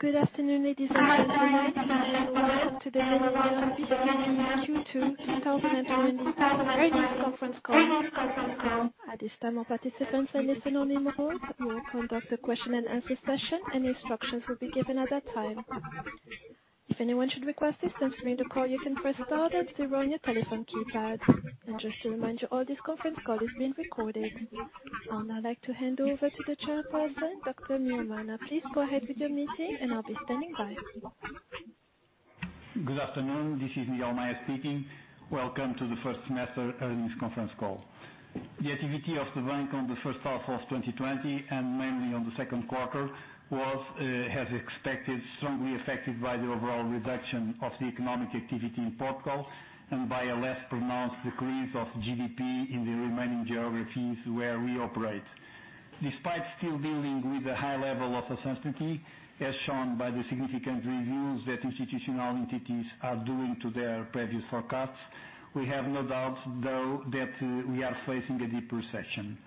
Good afternoon, ladies and gentlemen. Welcome to the Banco Comercial Português Q2 2020 earnings conference call. At this time, all participants are listen-only mode. We will conduct a question and answer session, and instructions will be given at that time. If anyone should request assistance during the call, you can press star then zero on your telephone keypad. Just to remind you, all this conference call is being recorded. I would now like to hand over to the chairperson, Dr. Miguel Maya. Please go ahead with your meeting and I'll be standing by. Good afternoon. This is Miguel Maya speaking. Welcome to the first semester earnings conference call. The activity of the bank on the first half of 2020, mainly on the second quarter, was as expected, strongly affected by the overall reduction of the economic activity in Portugal and by a less pronounced decrease of GDP in the remaining geographies where we operate. Despite still dealing with a high level of uncertainty, as shown by the significant reviews that institutional entities are doing to their previous forecasts, we have no doubt, though, that we are facing a deep recession.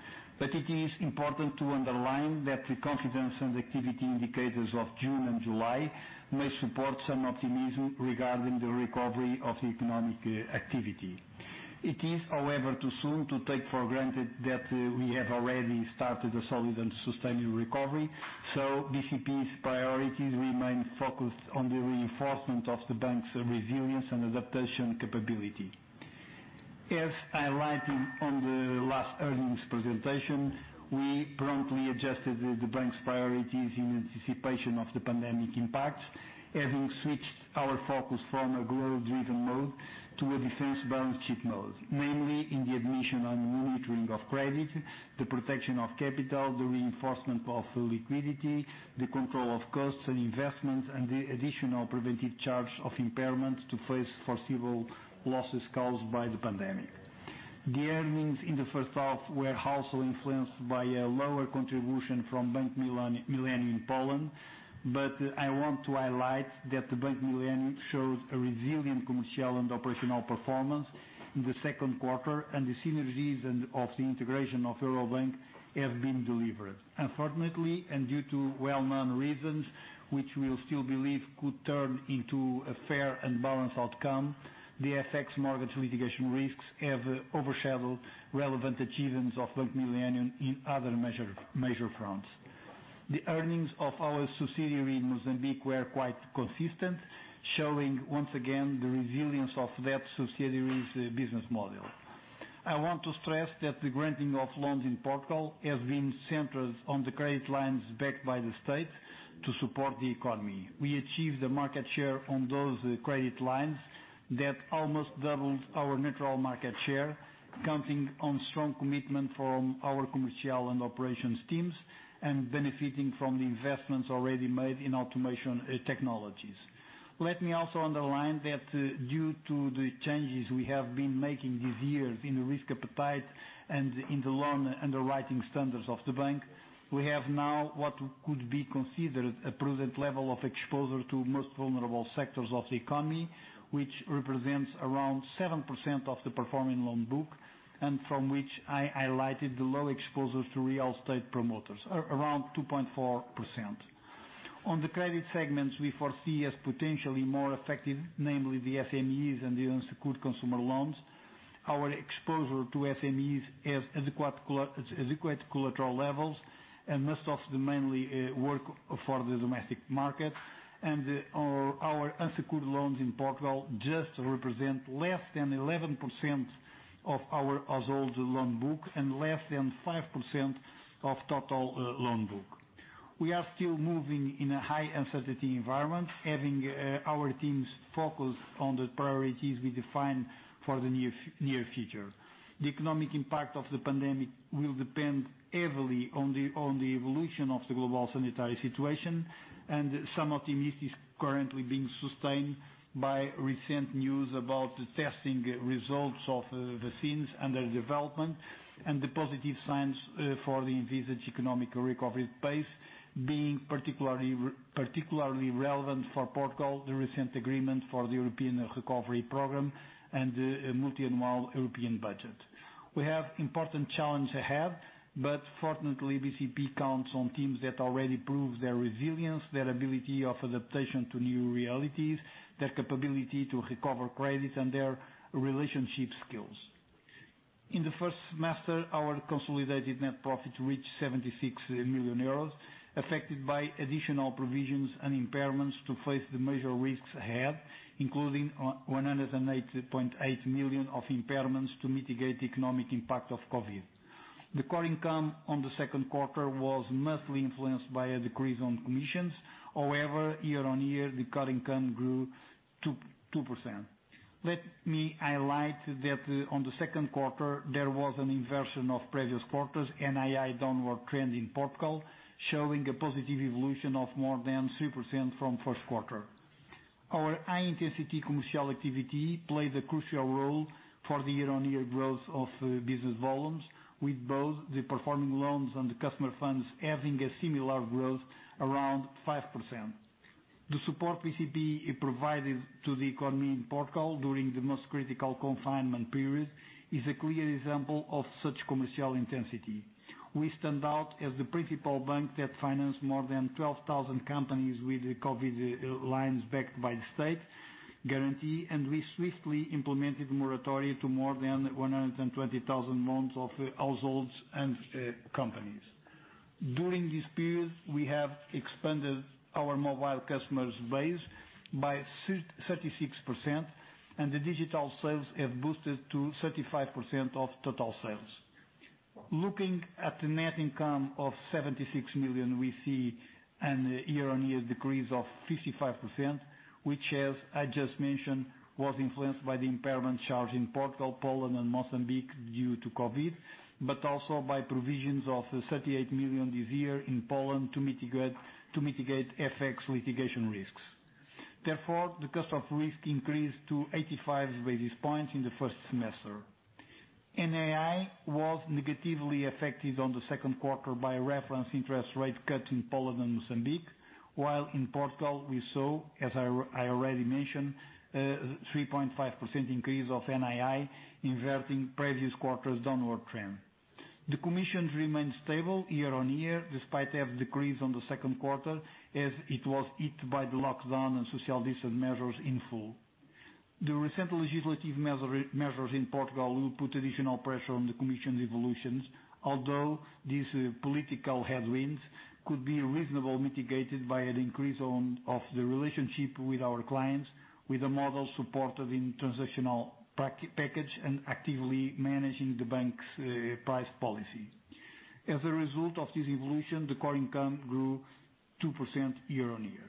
It is important to underline that the confidence and activity indicators of June and July may support some optimism regarding the recovery of the economic activity. It is, however, too soon to take for granted that we have already started a solid and sustained recovery. BCP's priorities remain focused on the reinforcement of the bank's resilience and adaptation capability. As highlighted on the last earnings presentation, we promptly adjusted the bank's priorities in anticipation of the pandemic impact, having switched our focus from a growth-driven mode to a defense balance sheet mode, mainly in the admission and monitoring of credit, the protection of capital, the reinforcement of liquidity, the control of costs and investments, and the additional preventive charge of impairment to face foreseeable losses caused by the pandemic. The earnings in the first half were also influenced by a lower contribution from Bank Millennium Poland, but I want to highlight that Bank Millennium showed a resilient commercial and operational performance in the second quarter and the synergies of the integration of Euro Bank have been delivered. Unfortunately, and due to well-known reasons which we still believe could turn into a fair and balanced outcome, the FX mortgage litigation risks have overshadowed relevant achievements of Bank Millennium in other major fronts. The earnings of our subsidiary in Mozambique were quite consistent, showing once again the resilience of that subsidiary's business model. I want to stress that the granting of loans in Portugal has been centered on the credit lines backed by the state to support the economy. We achieved a market share on those credit lines that almost doubled our natural market share, counting on strong commitment from our commercial and operations teams and benefiting from the investments already made in automation technologies. Let me also underline that due to the changes we have been making these years in the risk appetite and in the loan underwriting standards of the bank, we have now what could be considered a prudent level of exposure to most vulnerable sectors of the economy, which represents around 7% of the performing loan book and from which I highlighted the low exposure to real estate promoters, around 2.4%. On the credit segments we foresee as potentially more effective, namely the SMEs and the unsecured consumer loans, our exposure to SMEs has adequate collateral levels and most of them mainly work for the domestic market and our unsecured loans in Portugal just represent less than 11% of our total loan book and less than 5% of total loan book. We are still moving in a high uncertainty environment, having our teams focused on the priorities we defined for the near future. The economic impact of the pandemic will depend heavily on the evolution of the global sanitary situation, some optimism is currently being sustained by recent news about the testing results of vaccines under development and the positive signs for the envisaged economic recovery pace being particularly relevant for Portugal, the recent agreement for the European Recovery Program and the multiannual European budget. We have important challenges ahead, fortunately, BCP counts on teams that already proved their resilience, their ability of adaptation to new realities, their capability to recover credits, and their relationship skills. In the first semester, our consolidated net profit reached 76 million euros, affected by additional provisions and impairments to face the major risks ahead, including 180.8 million of impairments to mitigate the economic impact of COVID. The core income on the second quarter was mostly influenced by a decrease on commissions. Year-on-year, the core income grew 2%. Let me highlight that on the second quarter, there was an inversion of previous quarters NII downward trend in Portugal, showing a positive evolution of more than 3% from first quarter. Our high-intensity commercial activity played a crucial role for the year-on-year growth of business volumes, with both the performing loans and the customer funds having a similar growth around 5%. The support BCP provided to the economy in Portugal during the most critical confinement period is a clear example of such commercial intensity. We stand out as the principal bank that financed more than 12,000 companies with the COVID lines backed by the state guarantee, and we swiftly implemented moratoria to more than 120,000 loans of households and companies. During this period, we have expanded our mobile customers base by 36%, and the digital sales have boosted to 35% of total sales. Looking at the net income of 76 million, we see an year-on-year decrease of 55%, which as I just mentioned, was influenced by the impairment charge in Portugal, Poland, and Mozambique due to COVID, but also by provisions of 38 million this year in Poland to mitigate FX litigation risks. Therefore, the cost of risk increased to 85 basis points in the first semester. NII was negatively affected on the second quarter by reference interest rate cut in Poland and Mozambique, while in Portugal we saw, as I already mentioned, 3.5% increase of NII inverting previous quarters downward trend. The commissions remained stable year-on-year despite have decrease on the second quarter as it was hit by the lockdown and social distance measures in full. The recent legislative measures in Portugal will put additional pressure on the commission's evolutions, although these political headwinds could be reasonably mitigated by an increase of the relationship with our clients, with a model supported in transitional package and actively managing the bank's price policy. As a result of this evolution, the core income grew 2% year-on-year.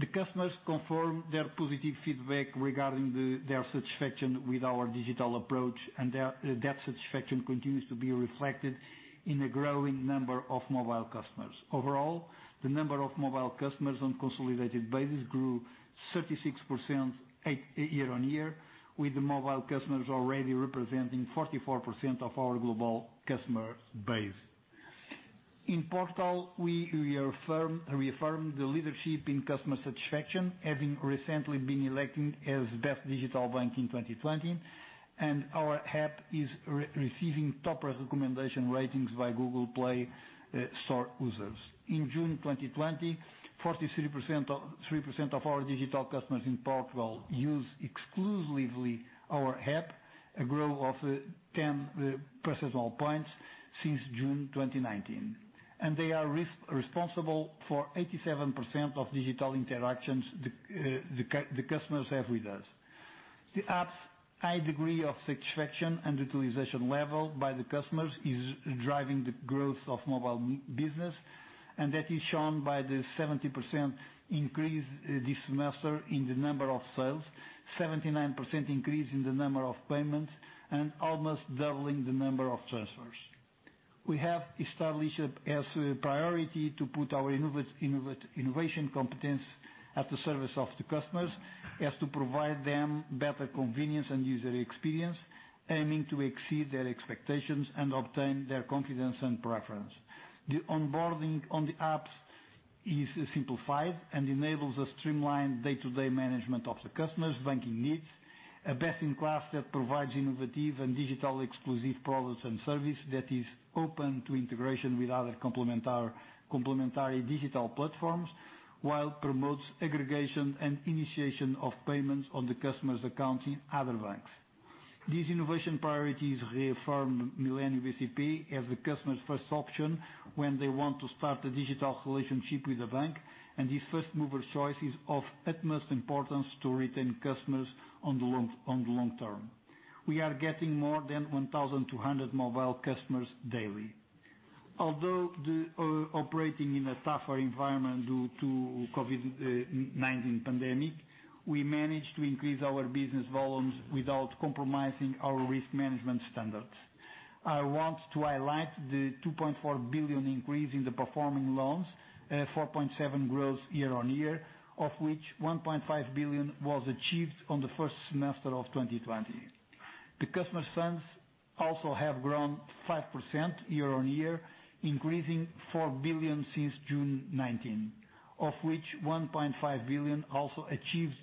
The customers confirm their positive feedback regarding their satisfaction with our digital approach, and that satisfaction continues to be reflected in a growing number of mobile customers. Overall, the number of mobile customers on consolidated basis grew 36% year-on-year with the mobile customers already representing 44% of our global customer base. In Portugal, we reaffirmed the leadership in customer satisfaction, having recently been elected as Best Digital Bank in 2020, and our app is receiving top recommendation ratings by Google Play Store users. In June 2020, 43% of our digital customers in Portugal use exclusively our app, a growth of 10 percentage points since June 2019. They are responsible for 87% of digital interactions the customers have with us. The app's high degree of satisfaction and utilization level by the customers is driving the growth of mobile business, that is shown by the 70% increase this semester in the number of sales, 79% increase in the number of payments, and almost doubling the number of transfers. We have established as a priority to put our innovation competence at the service of the customers as to provide them better convenience and user experience, aiming to exceed their expectations and obtain their confidence and preference. The onboarding on the apps is simplified and enables a streamlined day-to-day management of the customer's banking needs, a best in class that provides innovative and digital exclusive products and service that is open to integration with other complementary digital platforms while promotes aggregation and initiation of payments on the customer's accounts in other banks. These innovation priorities reaffirmed Millennium bcp as the customer's first option when they want to start a digital relationship with a bank, and this first-mover choice is of utmost importance to retain customers on the long term. We are getting more than 1,200 mobile customers daily. Although operating in a tougher environment due to COVID-19 pandemic, we managed to increase our business volumes without compromising our risk management standards. I want to highlight the 2.4 billion increase in the performing loans, 4.7% growth year-on-year, of which 1.5 billion was achieved on the first semester of 2020. The customer funds also have grown 5% year-on-year, increasing 4 billion since June 2019, of which 1.5 billion also achieved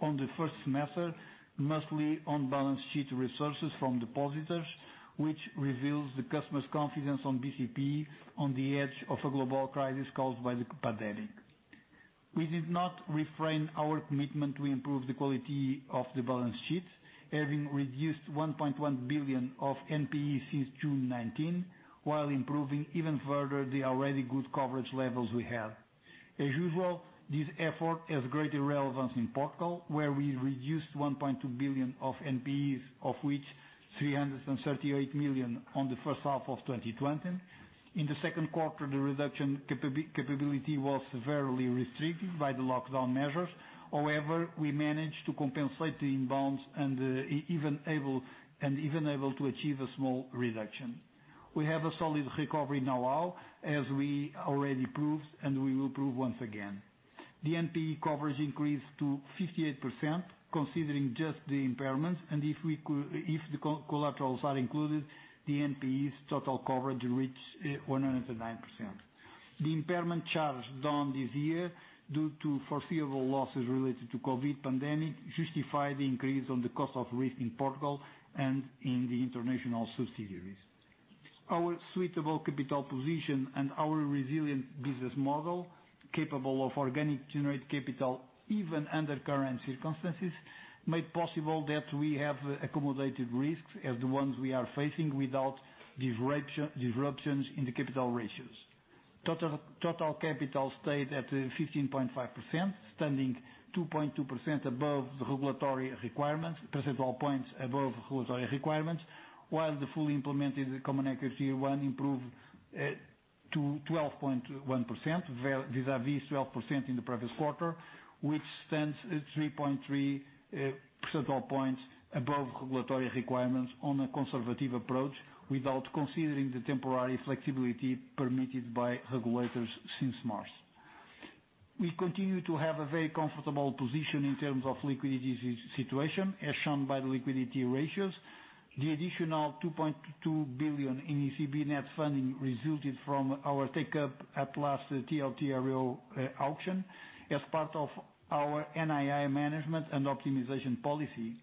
on the first semester, mostly on balance sheet resources from depositors, which reveals the customer's confidence on BCP on the edge of a global crisis caused by the pandemic. We did not refrain our commitment to improve the quality of the balance sheets, having reduced 1.1 billion of NPE since June 2019 while improving even further the already good coverage levels we had. As usual, this effort has great relevance in Portugal, where we reduced 1.2 billion of NPEs, of which 338 million on the first half of 2020. In the second quarter, the reduction capability was severely restricted by the lockdown measures. However, we managed to compensate the inbounds and even able to achieve a small reduction. We have a solid recovery now as we already proved, and we will prove once again. The NPE coverage increased to 58%, considering just the impairments. If the collaterals are included, the NPE's total coverage reach 109%. The impairment charge done this year due to foreseeable losses related to COVID pandemic justify the increase on the cost of risk in Portugal and in the international subsidiaries. Our suitable capital position and our resilient business model, capable of organic generate capital even under current circumstances, made possible that we have accommodated risks as the ones we are facing without disruptions in the capital ratios. Total capital stayed at 15.5%, standing 2.2% above the regulatory requirements, percentile points above regulatory requirements. While the fully implemented CET1 improved to 12.1% vis-a-vis 12% in the previous quarter, which stands at 3.3 percentage points above regulatory requirements on a conservative approach, without considering the temporary flexibility permitted by regulators since March. We continue to have a very comfortable position in terms of liquidity situation, as shown by the liquidity ratios. The additional 2.2 billion in ECB net funding resulted from our take-up at last TLTRO auction as part of our NII management and optimization policy.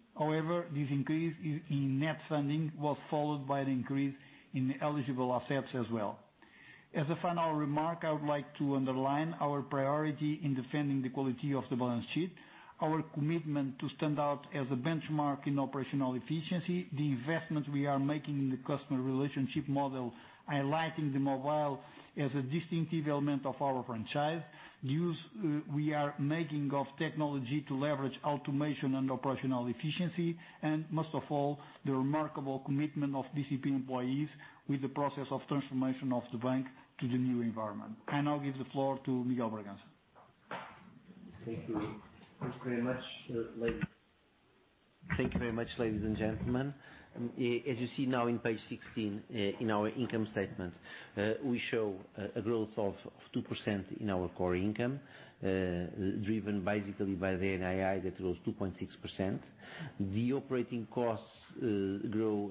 This increase in net funding was followed by the increase in eligible assets as well. As a final remark, I would like to underline our priority in defending the quality of the balance sheet, our commitment to stand out as a benchmark in operational efficiency, the investment we are making in the customer relationship model, highlighting the mobile as a distinctive element of our franchise, use we are making of technology to leverage automation and operational efficiency. Most of all, the remarkable commitment of BCP employees with the process of transformation of the bank to the new environment. I now give the floor to Miguel Bragança. Thank you. Thanks very much. Thank you very much, ladies and gentlemen. As you see now on page 16 in our income statement, we show a growth of 2% in our core income, driven basically by the NII that grows 2.6%. The operating costs grow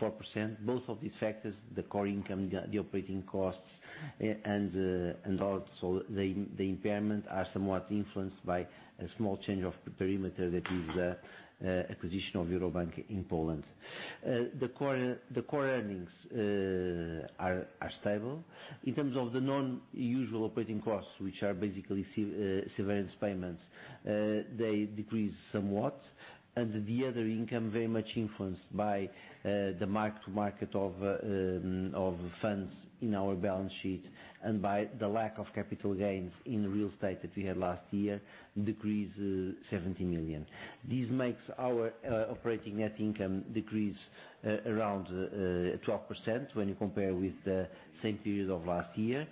4%. Both of these factors, the core income, the operating costs, and also the impairment are somewhat influenced by a small change of perimeter that is acquisition of Euro Bank in Poland. The core earnings are stable. In terms of the non-usual operating costs, which are basically severance payments, they decrease somewhat. The other income very much influenced by the mark-to-market of funds in our balance sheet and by the lack of capital gains in real estate that we had last year, decrease 17 million. This makes our operating net income decrease around 12% when you compare with the same period of last year.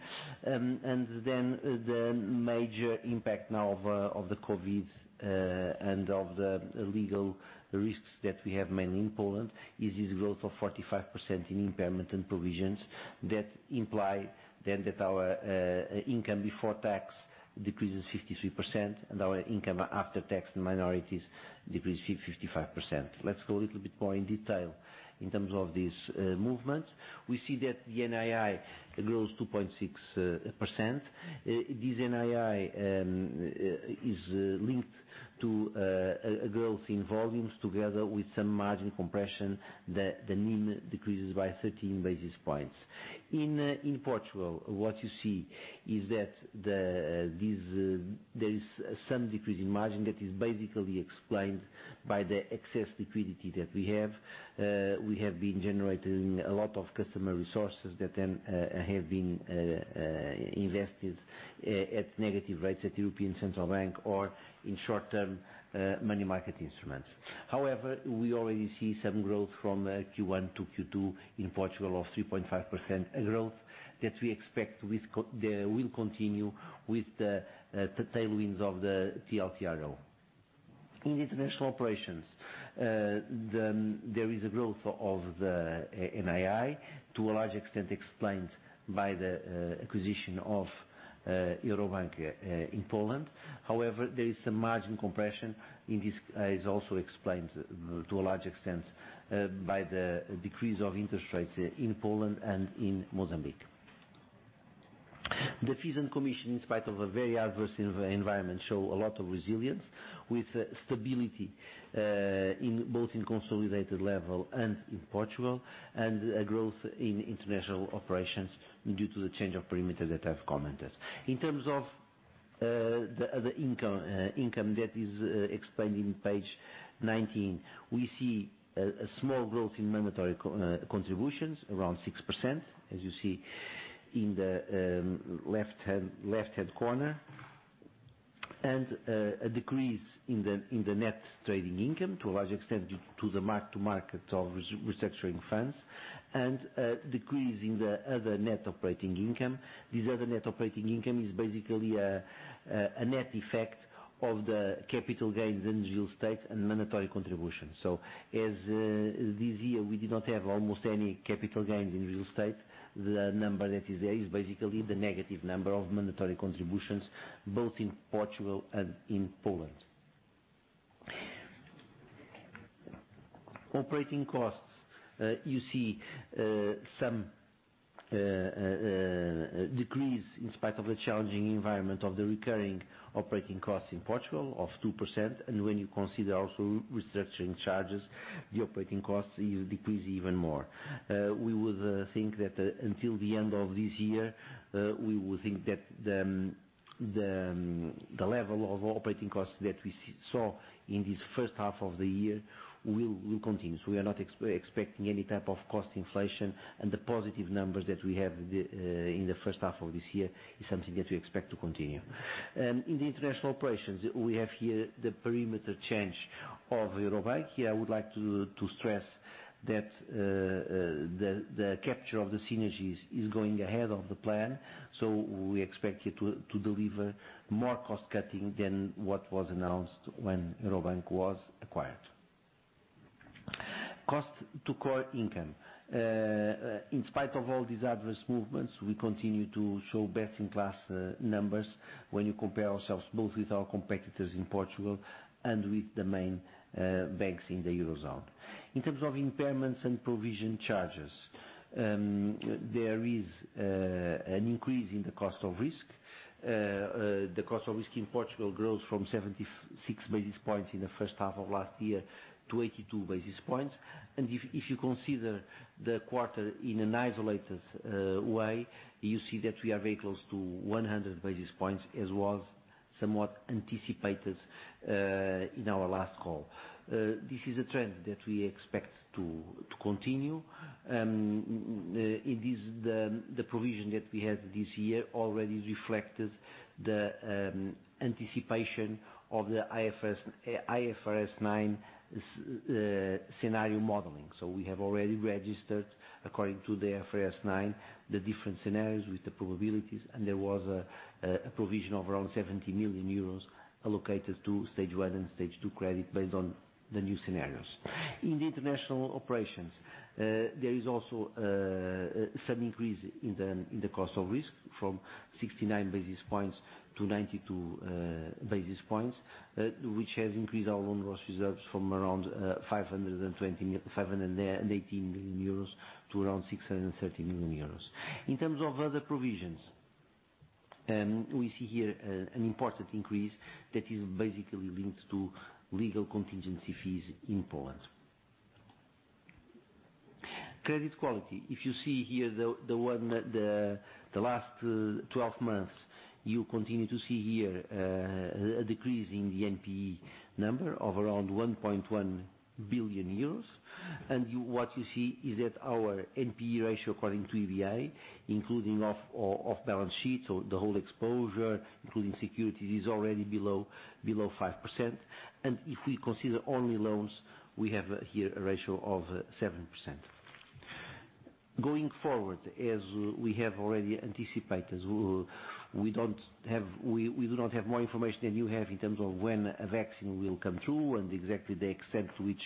The major impact now of the COVID, and of the legal risks that we have mainly in Poland, is this growth of 45% in impairment and provisions that imply then that our income before tax decreases 53% and our income after tax and minorities decrease 55%. Let's go a little bit more in detail in terms of these movements. We see that the NII grows 2.6%. This NII is linked to a growth in volumes together with some margin compression that the NIM decreases by 13 basis points. In Portugal, what you see is that there is some decrease in margin that is basically explained by the excess liquidity that we have. We have been generating a lot of customer resources that then have been invested at negative rates at European Central Bank or in short-term money market instruments. We already see some growth from Q1-Q2 in Portugal of 3.5% growth that we expect will continue with the tailwinds of the TLTRO. In international operations, there is a growth of the NII to a large extent explained by the acquisition of Euro Bank in Poland. There is some margin compression and this is also explained to a large extent by the decrease of interest rates in Poland and in Mozambique. The fees and commission, in spite of a very adverse environment, show a lot of resilience with stability both in consolidated level and in Portugal, and a growth in international operations due to the change of perimeter that I've commented. In terms of the other income that is explained in page 19, we see a small growth in mandatory contributions, around 6%, as you see in the left-hand corner, and a decrease in the net trading income to a large extent due to the mark-to-market of restructuring funds and a decrease in the other net operating income. This other net operating income is basically a net effect of the capital gains in real estate and mandatory contributions. as this year we did not have almost any capital gains in real estate, the number that is there is basically the negative number of mandatory contributions both in Portugal and in Poland. Operating costs. You see some decrease in spite of the challenging environment of the recurring operating costs in Portugal of 2%. when you consider also restructuring charges, the operating costs decrease even more. We would think that until the end of this year, the level of operating costs that we saw in this first half of the year will continue. We are not expecting any type of cost inflation and the positive numbers that we have in the first half of this year is something that we expect to continue. In the international operations, we have here the perimeter change of Euro Bank. Here, I would like to stress that the capture of the synergies is going ahead of the plan, so we expect it to deliver more cost-cutting than what was announced when Euro Bank was acquired. Cost to core income. In spite of all these adverse movements, we continue to show best-in-class numbers when you compare ourselves both with our competitors in Portugal and with the main banks in the Eurozone. In terms of impairments and provision charges, there is an increase in the cost of risk. The cost of risk in Portugal grows from 76 basis points in the first half of last year to 82 basis points. If you consider the quarter in an isolated way, you see that we are very close to 100 basis points, as was somewhat anticipated in our last call. This is a trend that we expect to continue. The provision that we had this year already reflected the anticipation of the IFRS 9 scenario modeling. We have already registered, according to the IFRS 9, the different scenarios with the probabilities, and there was a provision of around 70 million euros allocated to stage 1 and stage 2 credit based on the new scenarios. In the international operations, there is also some increase in the cost of risk from 69 basis points-92 basis points, which has increased our loan loss reserves from around 518 million euros to around 630 million euros. In terms of other provisions, we see here an important increase that is basically linked to legal contingency fees in Poland. Credit quality. If you see here the last 12 months, you continue to see here a decrease in the NPE number of around 1.1 billion euros. What you see is that our NPE ratio, according to EBA, including off balance sheet, so the whole exposure, including security, is already below 5%. If we consider only loans, we have here a ratio of 7%. Going forward, as we have already anticipated, we do not have more information than you have in terms of when a vaccine will come through and exactly the extent to which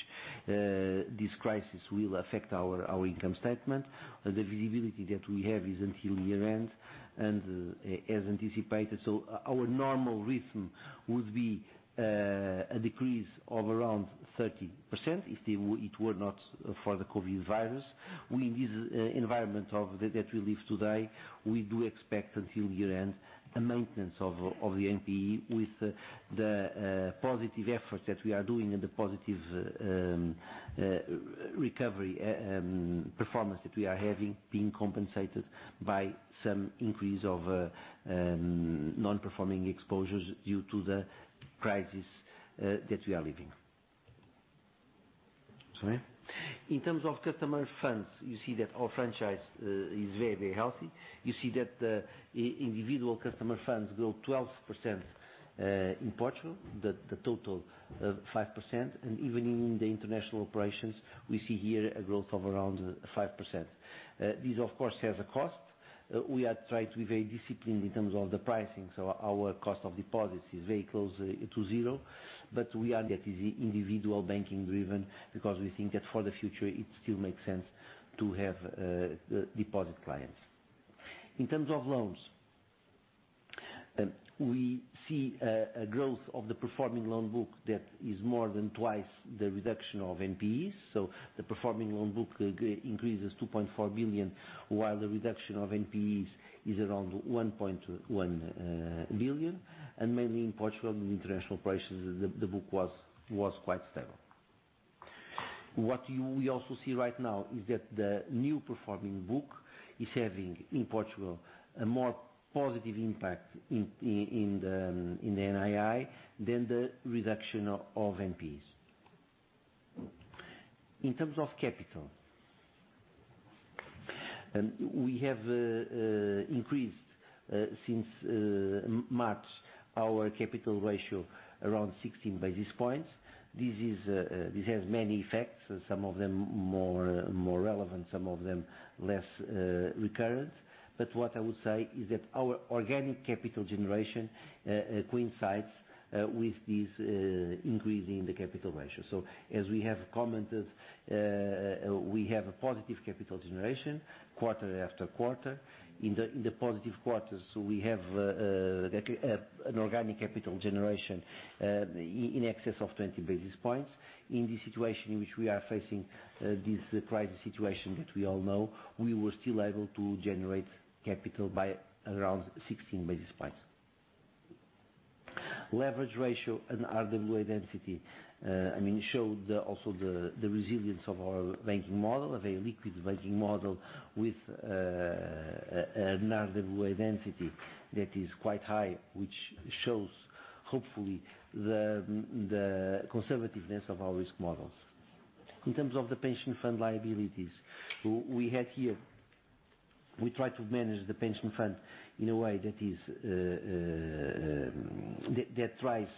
this crisis will affect our income statement. The visibility that we have is until year-end and as anticipated. Our normal rhythm would be a decrease of around 30% if it were not for the COVID. In this environment that we live today, we do expect until year-end a maintenance of the NPE with the positive efforts that we are doing and the positive recovery performance that we are having being compensated by some increase of non-performing exposures due to the crisis that we are living. In terms of customer funds, you see that our franchise is very healthy. You see that the individual customer funds grow 12% in Portugal, the total of 5%, and even in the international operations, we see here a growth of around 5%. This, of course, has a cost. We are trying to be very disciplined in terms of the pricing, so our cost of deposits is very close to zero, but we are individual banking driven because we think that for the future, it still makes sense to have deposit clients. In terms of loans, we see a growth of the performing loan book that is more than twice the reduction of NPEs. The performing loan book increases 2.4 billion, while the reduction of NPEs is around 1.1 billion. Mainly in Portugal, in international operations, the book was quite stable. What we also see right now is that the new performing book is having, in Portugal, a more positive impact in the NII than the reduction of NPEs. In terms of capital, we have increased since March our capital ratio around 16 basis points. This has many effects, some of them more relevant, some of them less recurrent. What I would say is that our organic capital generation coincides with this increase in the capital ratio. As we have commented, we have a positive capital generation quarter after quarter. In the positive quarters, we have an organic capital generation in excess of 20 basis points. In this situation in which we are facing this crisis situation that we all know, we were still able to generate capital by around 16 basis points. Leverage ratio and RWA density showed also the resilience of our banking model, of a liquid banking model with an RWA density that is quite high, which shows, hopefully, the conservativeness of our risk models. In terms of the pension fund liabilities we had here, we try to manage the pension fund in a way that tries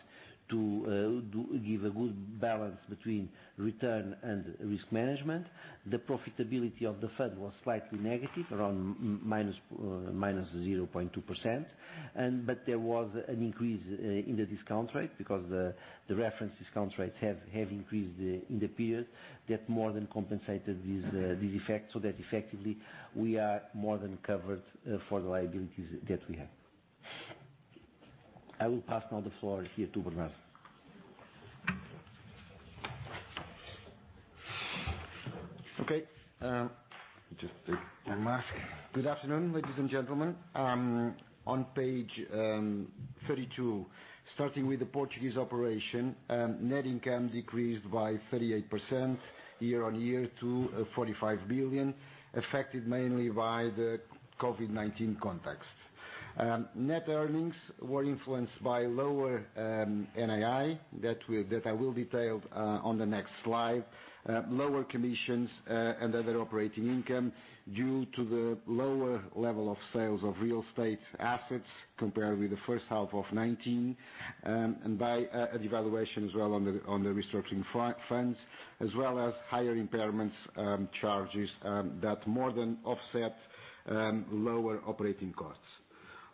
to give a good balance between return and risk management. The profitability of the fund was slightly negative, around -0.2%, but there was an increase in the discount rate because the reference discount rates have increased in the period that more than compensated this effect so that effectively we are more than covered for the liabilities that we have. I will pass now the floor here to Bernardo. Okay. Just take my mask. Good afternoon, ladies and gentlemen. On page 32, starting with the Portuguese operation, net income decreased by 38% year-on-year to 45 billion, affected mainly by the COVID-19 context. Net earnings were influenced by lower NII, that I will detail on the next slide. Lower commissions and other operating income due to the lower level of sales of real estate assets compared with the first half of 2019, and by a devaluation as well on the restructuring funds, as well as higher impairments charges that more than offset lower operating costs.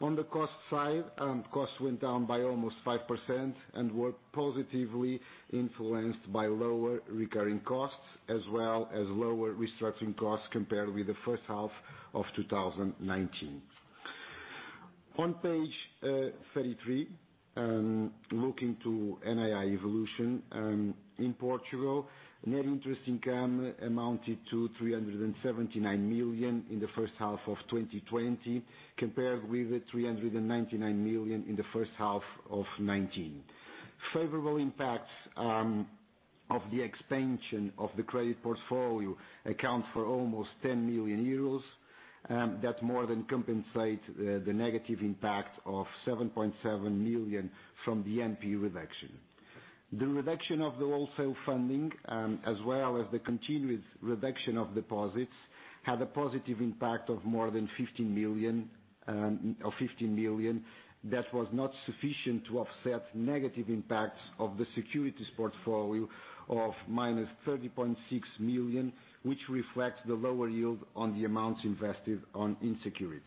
On the cost side, costs went down by almost 5% and were positively influenced by lower recurring costs as well as lower restructuring costs compared with the first half of 2019. On page 33, looking to NII evolution in Portugal, net interest income amounted to 379 million in the first half of 2020, compared with 399 million in the first half of 2019. Favorable impacts of the expansion of the credit portfolio account for almost 10 million euros. That more than compensate the negative impact of 7.7 million from the NPE reduction. The reduction of the wholesale funding, as well as the continuous reduction of deposits, had a positive impact of more than 15 million, that was not sufficient to offset negative impacts of the securities portfolio of EUR-30.6 million, which reflects the lower yield on the amounts invested in securities.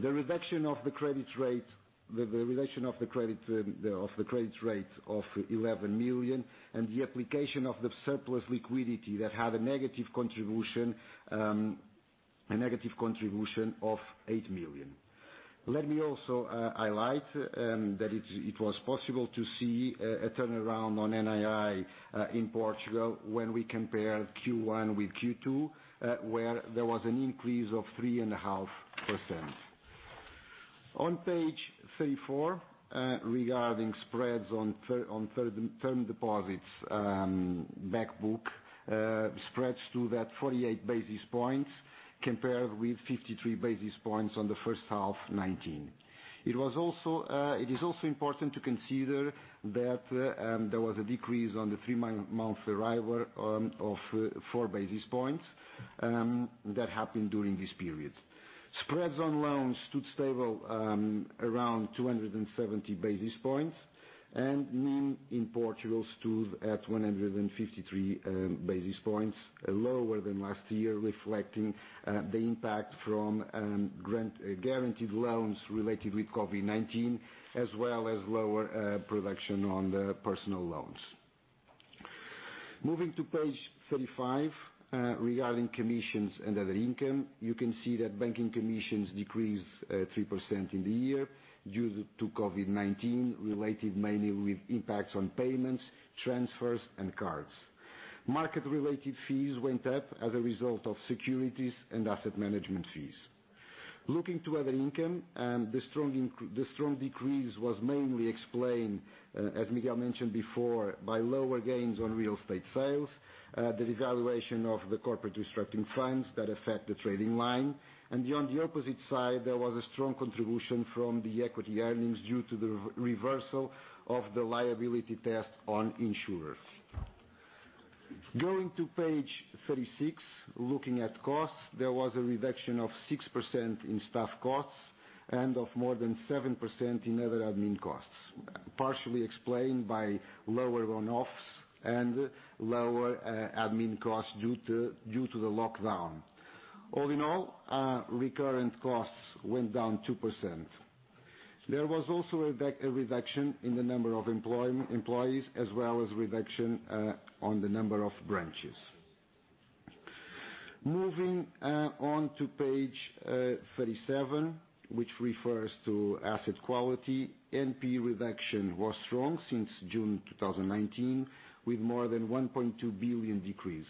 The reduction of the credit rate of 11 million and the application of the surplus liquidity that had a negative contribution of 8 million. Let me also highlight that it was possible to see a turnaround on NII in Portugal when we compare Q1 with Q2, where there was an increase of 3.5%. On page 34, regarding spreads on term deposits, back book spreads to that 48 basis points compared with 53 basis points on the first half 2019. It is also important to consider that there was a decrease on the three-month Euribor of four basis points that happened during this period. Spreads on loans stood stable around 270 basis points. NIM in Portugal stood at 153 basis points lower than last year, reflecting the impact from guaranteed loans related with COVID-19, as well as lower production on the personal loans. Moving to page 35, regarding commissions and other income, you can see that banking commissions decreased 3% in the year due to COVID-19, related mainly with impacts on payments, transfers, and cards. Market-related fees went up as a result of securities and asset management fees. Looking to other income, the strong decrease was mainly explained, as Miguel mentioned before, by lower gains on real estate sales, the devaluation of the corporate restructuring funds that affect the trading line, and on the opposite side, there was a strong contribution from the equity earnings due to the reversal of the liability test on insurers. Going to page 36, looking at costs, there was a reduction of 6% in staff costs and of more than 7% in other admin costs, partially explained by lower one-offs and lower admin costs due to the lockdown. All in all, recurrent costs went down 2%. There was also a reduction in the number of employees as well as reduction on the number of branches. Moving on to page 37, which refers to asset quality, NPE reduction was strong since June 2019, with more than 1.2 billion decrease.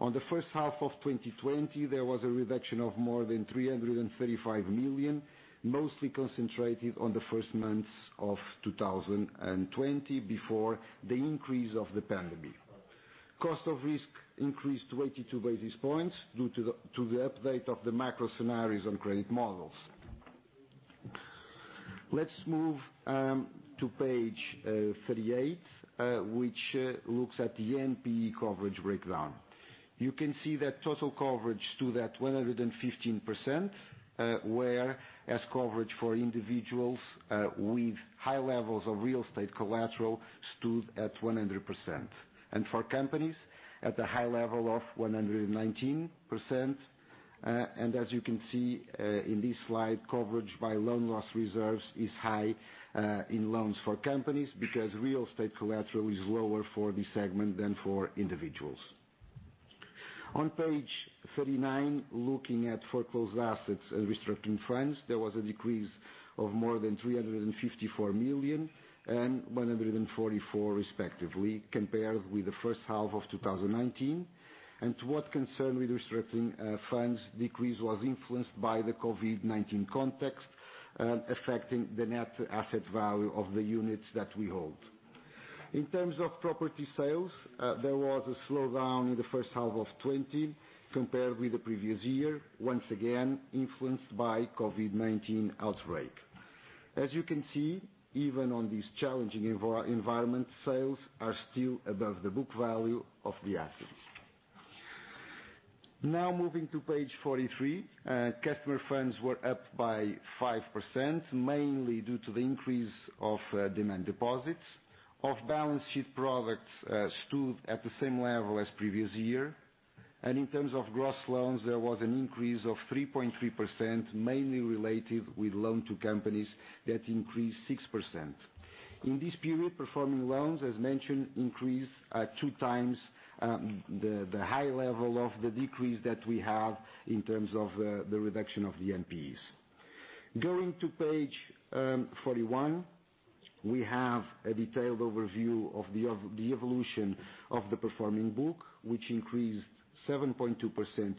On the first half of 2020, there was a reduction of more than 335 million, mostly concentrated on the first months of 2020 before the increase of the pandemic. Cost of risk increased to 22 basis points due to the update of the macro scenarios on credit models. Let's move to page 38, which looks at the NPE coverage breakdown. You can see that total coverage stood at 115%, whereas coverage for individuals with high levels of real estate collateral stood at 100%. For companies, at a high level of 119%. As you can see in this slide, coverage by loan loss reserves is high in loans for companies because real estate collateral is lower for this segment than for individuals. On page 39, looking at foreclosed assets and restructuring funds, there was a decrease of more than 354 million and 144 respectively, compared with the first half of 2019. To what concern with restricting funds decrease was influenced by the COVID-19 context, affecting the net asset value of the units that we hold. In terms of property sales, there was a slowdown in the first half of 2020 compared with the previous year, once again influenced by COVID-19 outbreak. As you can see, even on this challenging environment, sales are still above the book value of the assets. Moving to page 43. Customer funds were up by 5%, mainly due to the increase of demand deposits. Off-balance sheet products stood at the same level as previous year. In terms of gross loans, there was an increase of 3.3%, mainly related with loan to companies that increased 6%. In this period, performing loans, as mentioned, increased at 2x, the high level of the decrease that we have in terms of the reduction of the NPEs. Going to page 41, we have a detailed overview of the evolution of the performing book, which increased 7.2%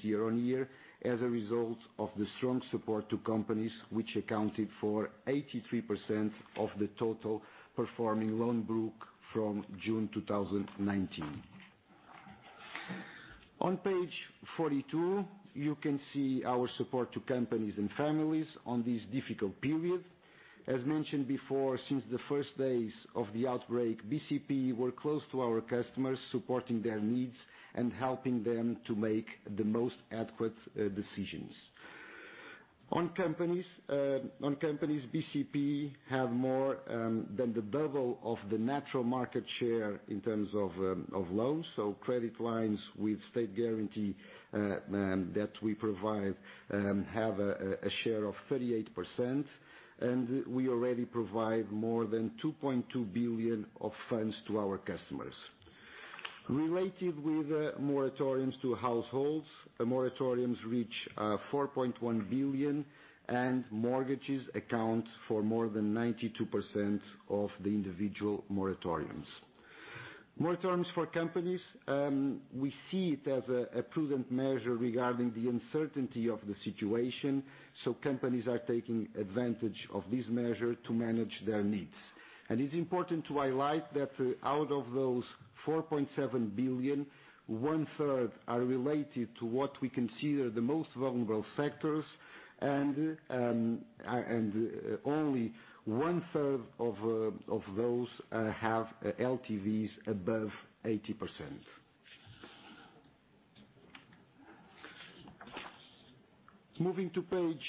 year-on-year as a result of the strong support to companies which accounted for 83% of the total performing loan book from June 2019. On page 42, you can see our support to companies and families on this difficult period. As mentioned before, since the first days of the outbreak, BCP were close to our customers, supporting their needs and helping them to make the most adequate decisions. On companies, BCP have more than the double of the natural market share in terms of loans. Credit lines with state guarantee that we provide have a share of 38%, and we already provide more than 2.2 billion of funds to our customers. Related with moratoriums to households, moratoriums reach 4.1 billion and mortgages account for more than 92% of the individual moratoriums. Moratoriums for companies, we see it as a prudent measure regarding the uncertainty of the situation, companies are taking advantage of this measure to manage their needs. It's important to highlight that out of those 4.7 billion, 1/3 are related to what we consider the most vulnerable sectors and only 1/3 of those have LTVs above 80%. Moving to page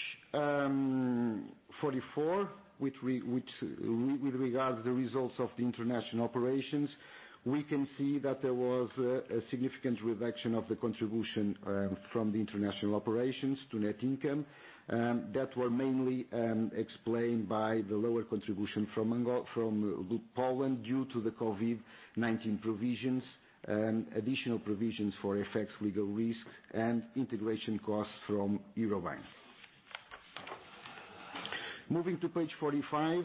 44, with regards the results of the international operations, we can see that there was a significant reduction of the contribution from the international operations to net income, that were mainly explained by the lower contribution from Poland due to the COVID-19 provisions and additional provisions for FX legal risk and integration costs from Euro Bank. Moving to page 45.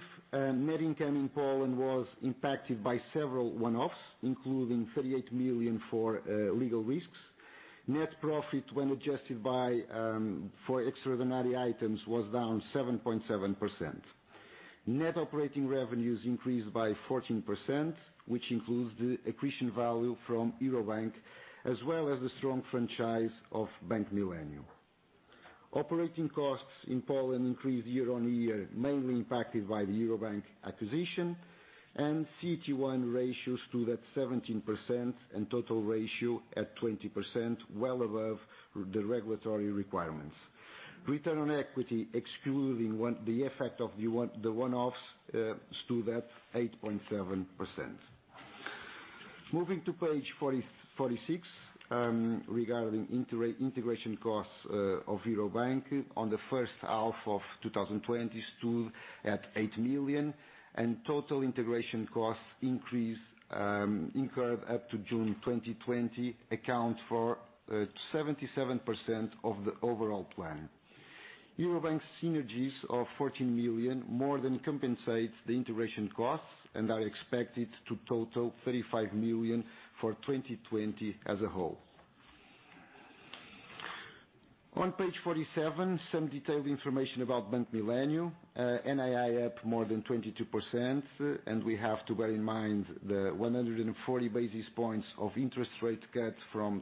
Net income in Poland was impacted by several one-offs, including 38 million for legal risks. Net profit when adjusted for extraordinary items was down 7.7%. Net operating revenues increased by 14%, which includes the accretion value from Euro Bank, as well as the strong franchise of Bank Millennium. Operating costs in Poland increased year-over-year, mainly impacted by the Euro Bank acquisition and CET1 ratios stood at 17% and total ratio at 20%, well above the regulatory requirements. Return on equity, excluding the effect of the one-offs, stood at 8.7%. Moving to page 46, regarding integration costs of Euro Bank on the first half of 2020 stood at 8 million and total integration costs incurred up to June 2020 account for 77% of the overall plan. Euro Bank synergies of 14 million more than compensates the integration costs and are expected to total 35 million for 2020 as a whole. On page 47, some detailed information about Bank Millennium. NII up more than 22%. We have to bear in mind the 140 basis points of interest rate cut from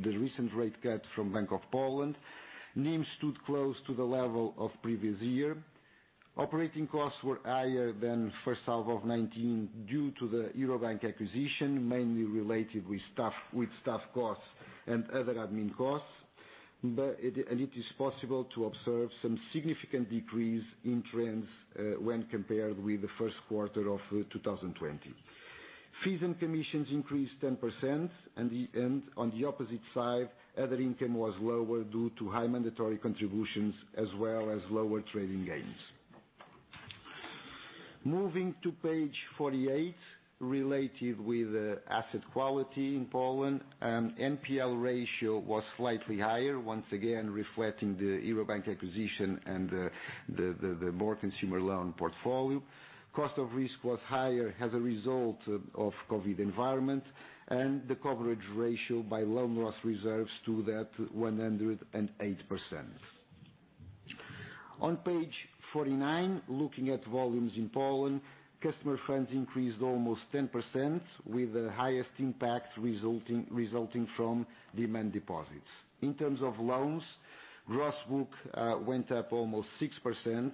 the recent rate cut from National Bank of Poland. NIM stood close to the level of previous year. Operating costs were higher than first half of 2019 due to the Euro Bank acquisition, mainly related with staff costs and other admin costs. It is possible to observe some significant decrease in trends when compared with the first quarter of 2020. Fees and commissions increased 10% and on the opposite side, other income was lower due to high mandatory contributions as well as lower trading gains. Moving to page 48, related with asset quality in Poland, NPL ratio was slightly higher, once again, reflecting the Euro Bank acquisition and the more consumer loan portfolio. Cost of risk was higher as a result of COVID environment and the coverage ratio by loan loss reserves stood at 108%. On page 49, looking at volumes in Poland, customer funds increased almost 10% with the highest impact resulting from demand deposits. In terms of loans, gross book went up almost 6%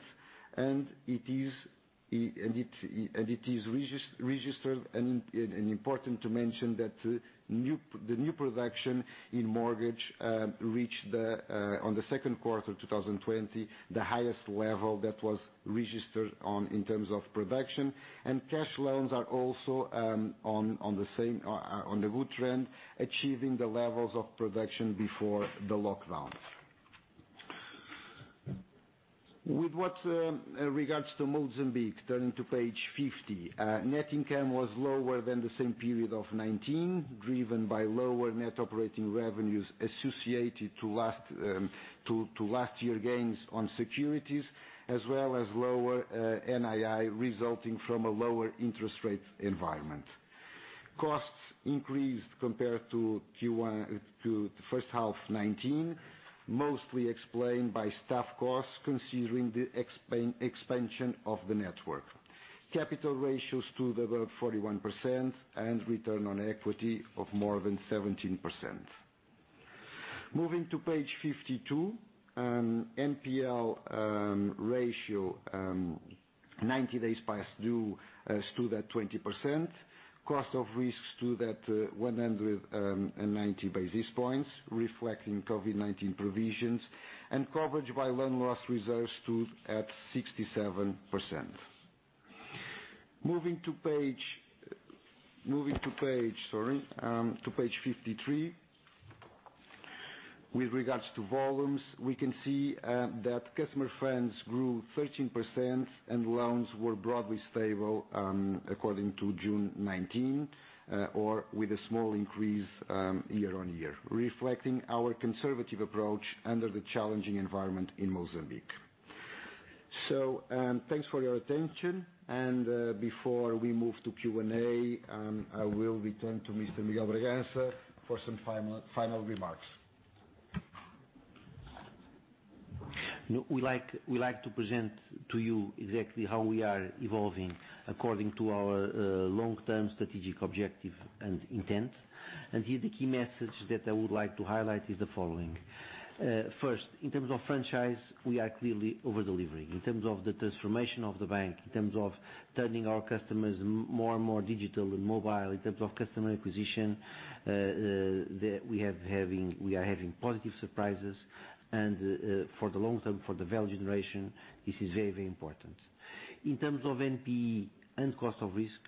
and it is registered and important to mention that the new production in mortgage reached, on the second quarter of 2020, the highest level that was registered in terms of production and cash loans are also on the good trend, achieving the levels of production before the lockdown. With what regards to Mozambique, turning to page 50. Net income was lower than the same period of 2019, driven by lower net operating revenues associated to last year gains on securities as well as lower NII resulting from a lower interest rate environment. Costs increased compared to first half 2019, mostly explained by staff costs considering the expansion of the network. Capital ratios stood above 41% and return on equity of more than 17%. Moving to page 52. NPL ratio, 90 days past due stood at 20%. Cost of risks stood at 190 basis points, reflecting COVID-19 provisions. Coverage by loan loss reserves stood at 67%. Moving to page 53. With regards to volumes, we can see that customer funds grew 13% and loans were broadly stable, according to June 2019, or with a small increase year-on-year, reflecting our conservative approach under the challenging environment in Mozambique. Thanks for your attention. Before we move to Q&A, I will return to Mr. Miguel Bragança for some final remarks. We like to present to you exactly how we are evolving according to our long-term strategic objective and intent. The key message that I would like to highlight is the following. First, in terms of franchise, we are clearly over-delivering. In terms of the transformation of the bank, in terms of turning our customers more and more digital and mobile, in terms of customer acquisition, we are having positive surprises and for the long term, for the value generation, this is very important. In terms of NPE and cost of risk,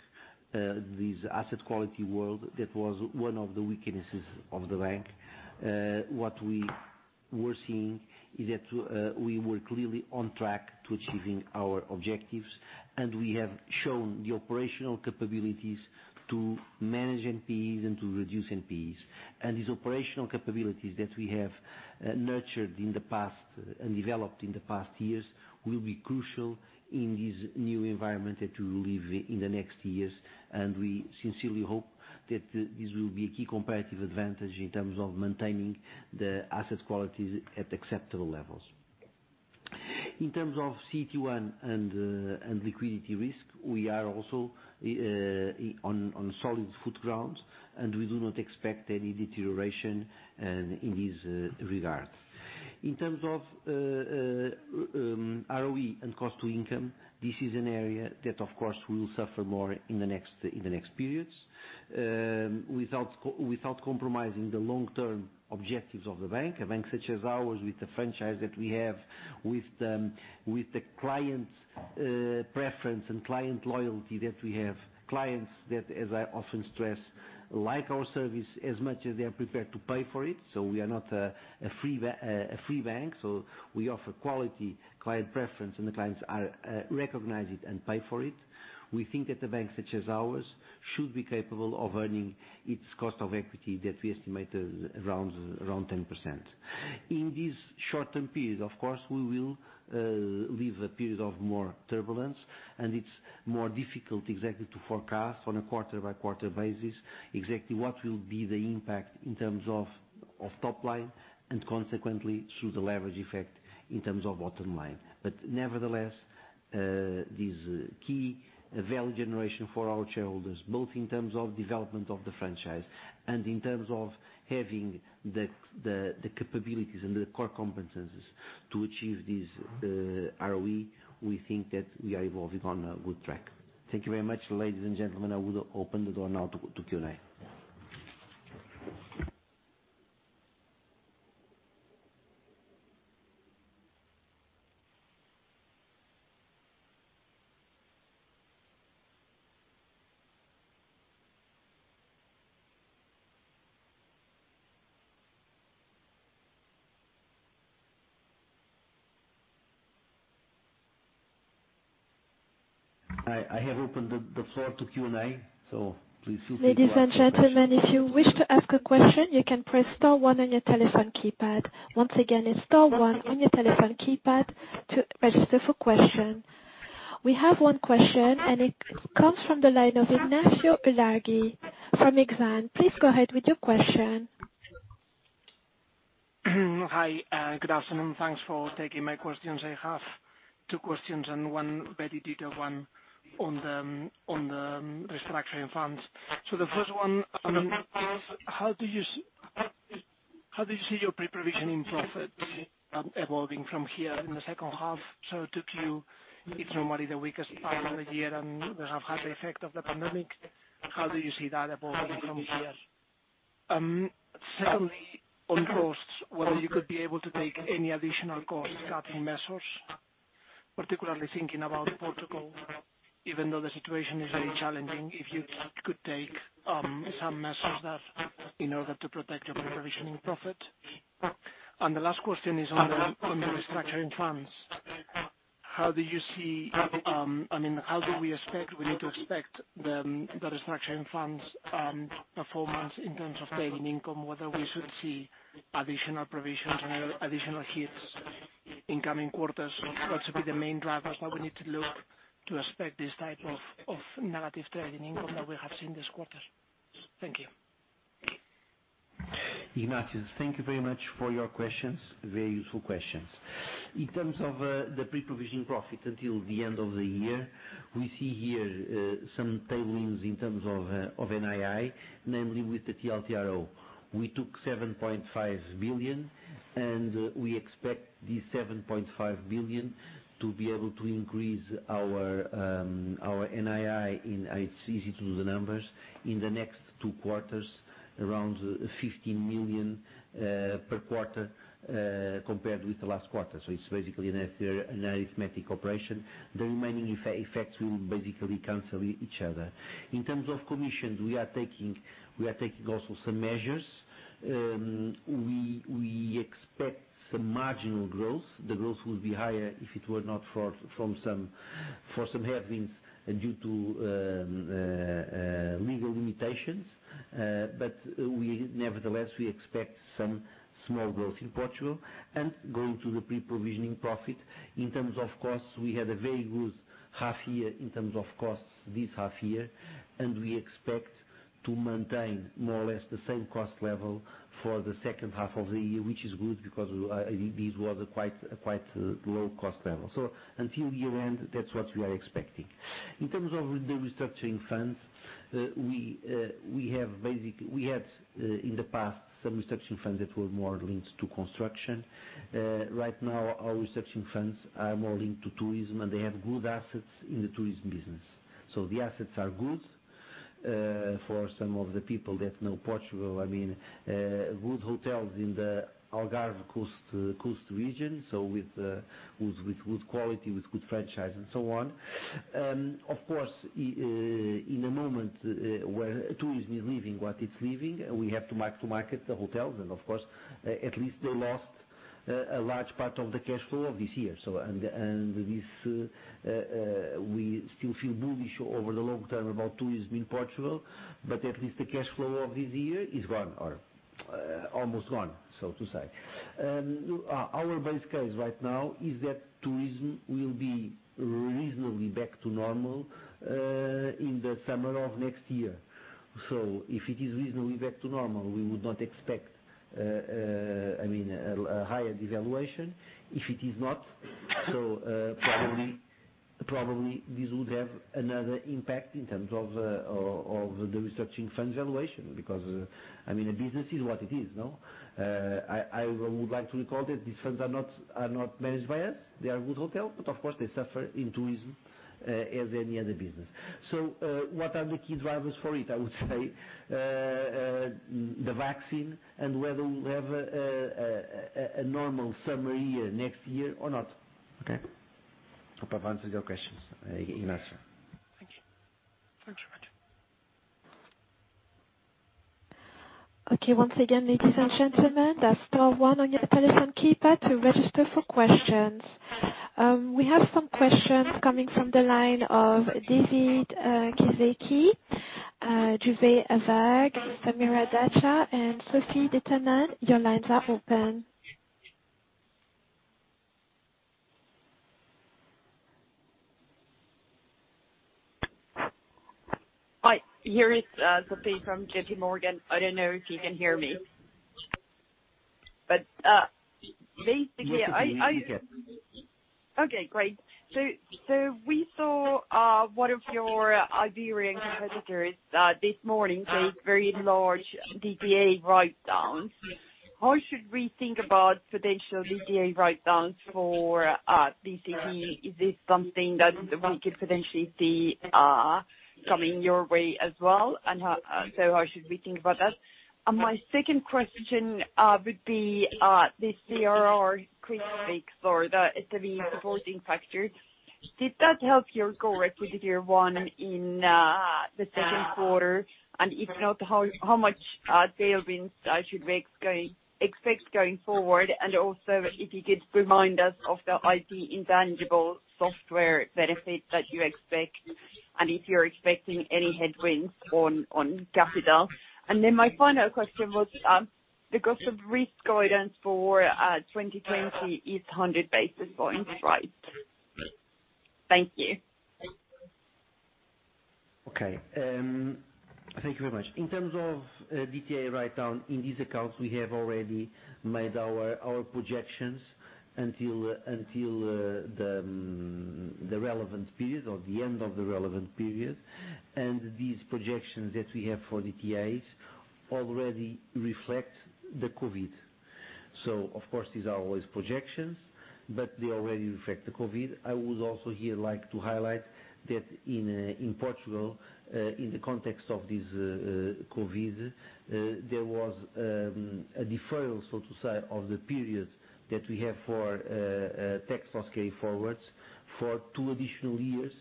this asset quality world that was one of the weaknesses of the bank, what we were seeing is that we were clearly on track to achieving our objectives, and we have shown the operational capabilities to manage NPEs and to reduce NPEs. These operational capabilities that we have nurtured in the past and developed in the past years will be crucial in this new environment that we will live in the next years. We sincerely hope that this will be a key competitive advantage in terms of maintaining the asset qualities at acceptable levels. In terms of CET1 and liquidity risk, we are also on solid foot grounds, and we do not expect any deterioration in this regard. In terms of ROE and cost to income, this is an area that, of course, will suffer more in the next periods, without compromising the long-term objectives of the bank. A bank such as ours with the franchise that we have with the client preference and client loyalty that we have, clients that, as I often stress, like our service as much as they are prepared to pay for it. We are not a free bank. We offer quality, client preference, and the clients recognize it and pay for it. We think that a bank such as ours should be capable of earning its cost of equity that we estimated around 10%. In this short-term period, of course, we will live a period of more turbulence and it's more difficult exactly to forecast on a quarter-by-quarter basis exactly what will be the impact in terms of top line and consequently through the leverage effect in terms of bottom line. Nevertheless, this key value generation for our shareholders, both in terms of development of the franchise and in terms of having the capabilities and the core competencies to achieve this ROE, we think that we are evolving on a good track. Thank you very much, ladies and gentlemen. I will open the door now to Q&A. I have opened the floor to Q&A, so please feel free to ask questions. Ladies and gentlemen, if you wish to ask a question, you can press star one on your telephone keypad. Once again, it's star one on your telephone keypad to register for question. We have one question and it comes from the line of Ignacio Ulargui from Exane. Please go ahead with your question. Hi, good afternoon. Thanks for taking my questions. I have two questions and one very detailed one on the restructuring funds. The first one, how do you see your pre-provisioning profits evolving from here in the second half? 2Q, it's normally the weakest part of the year and have had the effect of the pandemic. How do you see that evolving from here? Secondly, on costs, whether you could be able to take any additional cost-cutting measures, particularly thinking about Portugal, even though the situation is very challenging, if you could take some measures there in order to protect your pre-provisioning profit. The last question is on the restructuring funds. How do we need to expect the restructuring funds performance in terms of trading income, whether we should see additional provisions and additional hits in coming quarters? What should be the main drivers that we need to look to expect this type of negative trading income that we have seen this quarter? Thank you. Ignacio, thank you very much for your questions. Very useful questions. In terms of the pre-provision profit until the end of the year, we see here some tailwinds in terms of NII, namely with the TLTRO. We took 7.5 billion, and we expect this 7.5 billion to be able to increase our NII in, it's easy to do the numbers, in the next two quarters, around 15 million per quarter, compared with the last quarter. It's basically an arithmetic operation. The remaining effects will basically cancel each other. In terms of commissions, we are taking also some measures. We expect some marginal growth. The growth would be higher if it were not for some headwinds due to legal limitations. We nevertheless expect some small growth in Portugal. Going to the pre-provisioning profit, in terms of costs, we had a very good half year in terms of costs this half year, and we expect to maintain more or less the same cost level for the second half of the year, which is good because this was quite a low cost level. Until year-end, that's what we are expecting. In terms of the restructuring funds, we had in the past some restructuring funds that were more linked to construction. Right now, our restructuring funds are more linked to tourism, and they have good assets in the tourism business. The assets are good. For some of the people that know Portugal, good hotels in the Algarve coast region. With good quality, with good franchise and so on. Of course, in a moment where tourism is leaving what it is leaving, we have to market the hotels and of course, at least they lost a large part of the cash flow of this year. With this, we still feel bullish over the long term about tourism in Portugal, but at least the cash flow of this year is gone, or almost gone, so to say. Our base case right now is that tourism will be reasonably back to normal in the summer of next year. If it is reasonably back to normal, we would not expect a higher devaluation. If it is not, probably, this would have another impact in terms of the restructuring funds valuation, because, a business is what it is. I would like to recall that these funds are not managed by us. They are good hotel, of course they suffer in tourism, as any other business. What are the key drivers for it? I would say, the vaccine and whether we'll have a normal summer year next year or not. Okay. Hope I've answered your questions, Ignacio. Thank you. Thanks very much. Okay, once again, ladies and gentlemen, that's star one on your telephone keypad to register for questions. We have some questions coming from the line of David Kezeke, Juve Avag, Samira Dacha, and Sofie Peterzens. Your lines are open. Hi, here is Sofie from JPMorgan. I don't know if you can hear me. Yes, we can hear you. Okay, great. We saw one of your Iberian competitors this morning take very large DTA write downs. How should we think about potential DTA write downs for BCP? Is this something that we could potentially see coming your way as well, how should we think about that? My second question would be, the CRR quick fix or the SME supporting factor. Did that help your CET1 in the second quarter? If not, how much tailwinds should we expect going forward? Also, if you could remind us of the IP intangible software benefit that you expect, and if you're expecting any headwinds on capital. My final question was, the cost of risk guidance for 2020 is 100 basis points, right? Thank you. Okay. Thank you very much. In terms of DTA write down, in these accounts, we have already made our projections until the relevant period or the end of the relevant period. These projections that we have for DTAs already reflect the COVID. Of course, these are always projections, but they already reflect the COVID. I would also here like to highlight that in Portugal, in the context of this COVID, there was a deferral, so to say, of the period that we have for tax loss carry-forwards for two additional years.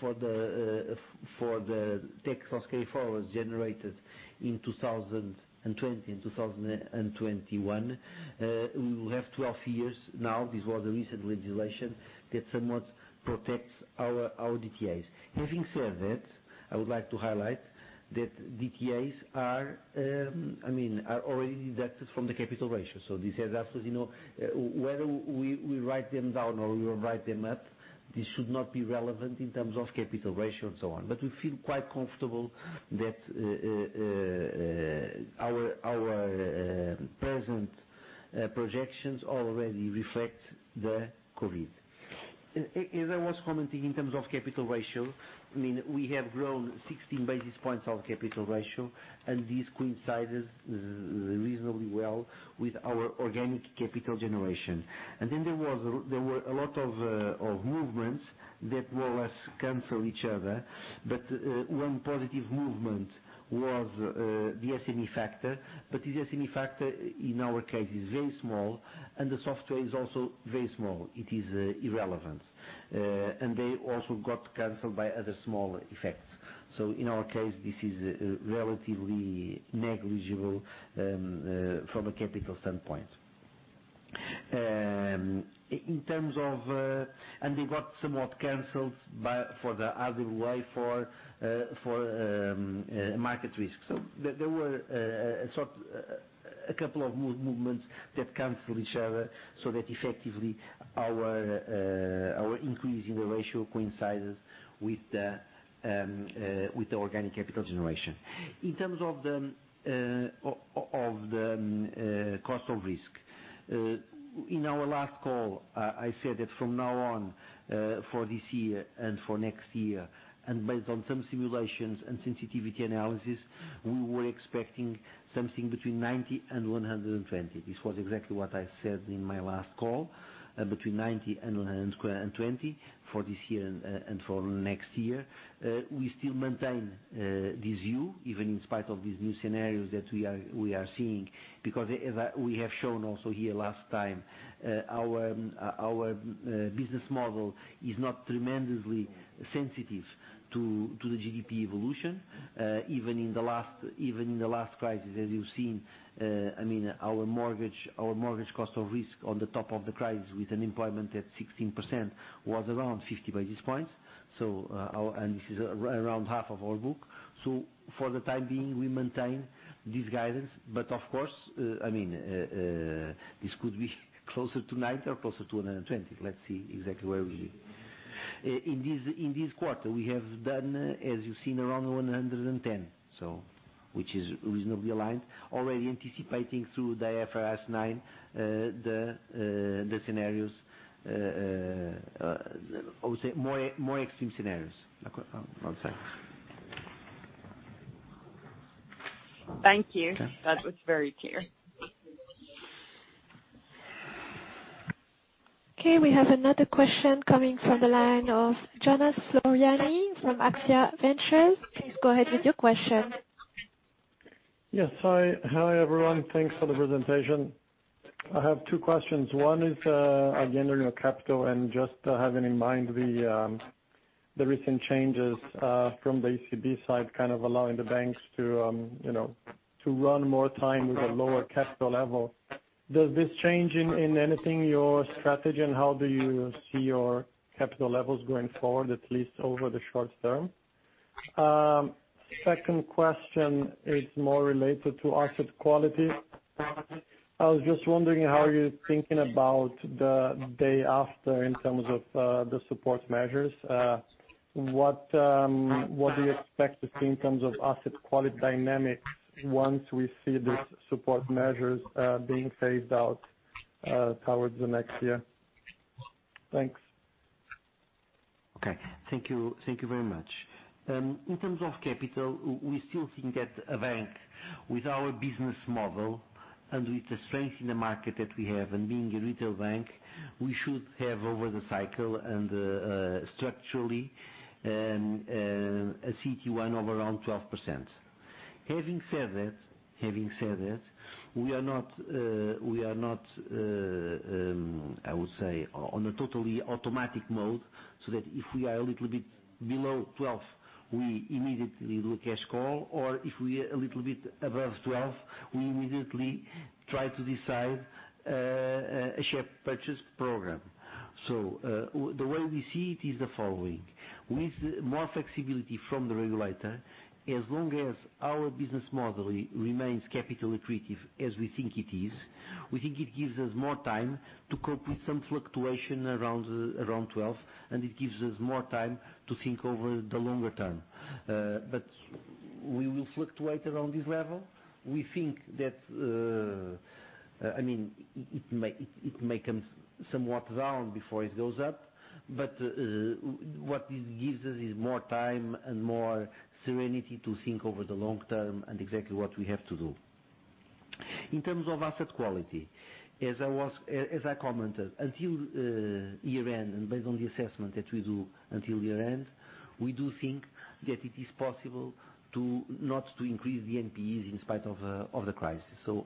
For the tax loss carry-forwards generated in 2020 and 2021, we will have 12 years now, this was a recent legislation, that somewhat protects our DTAs. Having said that, I would like to highlight that DTAs are already deducted from the capital ratio. This has absolutely no, whether we write them down or we write them up, this should not be relevant in terms of capital ratio and so on. We feel quite comfortable that our present projections already reflect the COVID. As I was commenting in terms of capital ratio, we have grown 16 basis points of capital ratio, and this coincides reasonably well with our organic capital generation. There were a lot of movements that more or less cancel each other, but one positive movement was the SME factor. The SME factor in our case is very small, and the software is also very small. It is irrelevant. They also got canceled by other small effects. In our case, this is relatively negligible from a capital standpoint. They got somewhat canceled for the other way for market risk. There were a couple of movements that cancel each other so that effectively our increase in the ratio coincides with the organic capital generation. In terms of the cost of risk. In our last call, I said that from now on, for this year and for next year, and based on some simulations and sensitivity analysis, we were expecting something between 90 basis points and 120 basis points. This was exactly what I said in my last call, between 90 basis points and 120 basis points for this year and for next year. We still maintain this view, even in spite of these new scenarios that we are seeing. As we have shown also here last time, our business model is not tremendously sensitive to the GDP evolution. Even in the last crisis, as you've seen, our mortgage cost of risk on the top of the crisis with unemployment at 16% was around 50 basis points. This is around half of our book. For the time being, we maintain this guidance. Of course, this could be closer to 90 basis points or closer to 120 basis points. Let's see exactly where we will be. In this quarter, we have done, as you've seen, around 110 basis points, which is reasonably aligned, already anticipating through the IFRS 9, the scenarios, I would say more extreme scenarios. One second. Thank you. Okay. That was very clear. Okay, we have another question coming from the line of Jonas Floriani from AXIA Ventures. Please go ahead with your question. Yes, hi, everyone. Thanks for the presentation. I have two questions. One is, again, on your capital, and just having in mind the recent changes from the ECB side, kind of allowing the banks to run more time with a lower capital level. Does this change in anything your strategy, and how do you see your capital levels going forward, at least over the short term? Second question is more related to asset quality. I was just wondering how you're thinking about the day after in terms of the support measures. What do you expect to see in terms of asset quality dynamics once we see these support measures being phased out towards the next year? Thanks. Okay. Thank you very much. In terms of capital, we still think that a bank with our business model and with the strength in the market that we have and being a retail bank, we should have over the cycle and structurally, a CET1 of around 12%. Having said that, we are not, I would say, on a totally automatic mode, so that if we are a little bit below 12%, we immediately do a cash call, or if we are a little bit above 12%, we immediately try to decide a share purchase program. The way we see it is the following. With more flexibility from the regulator, as long as our business model remains capital accretive as we think it is, we think it gives us more time to cope with some fluctuation around 12%, and it gives us more time to think over the longer term. We will fluctuate around this level. We think that it may come somewhat down before it goes up. What this gives us is more time and more serenity to think over the long term and exactly what we have to do. In terms of asset quality, as I commented, until year-end and based on the assessment that we do until year-end, we do think that it is possible to not increase the NPEs in spite of the crisis.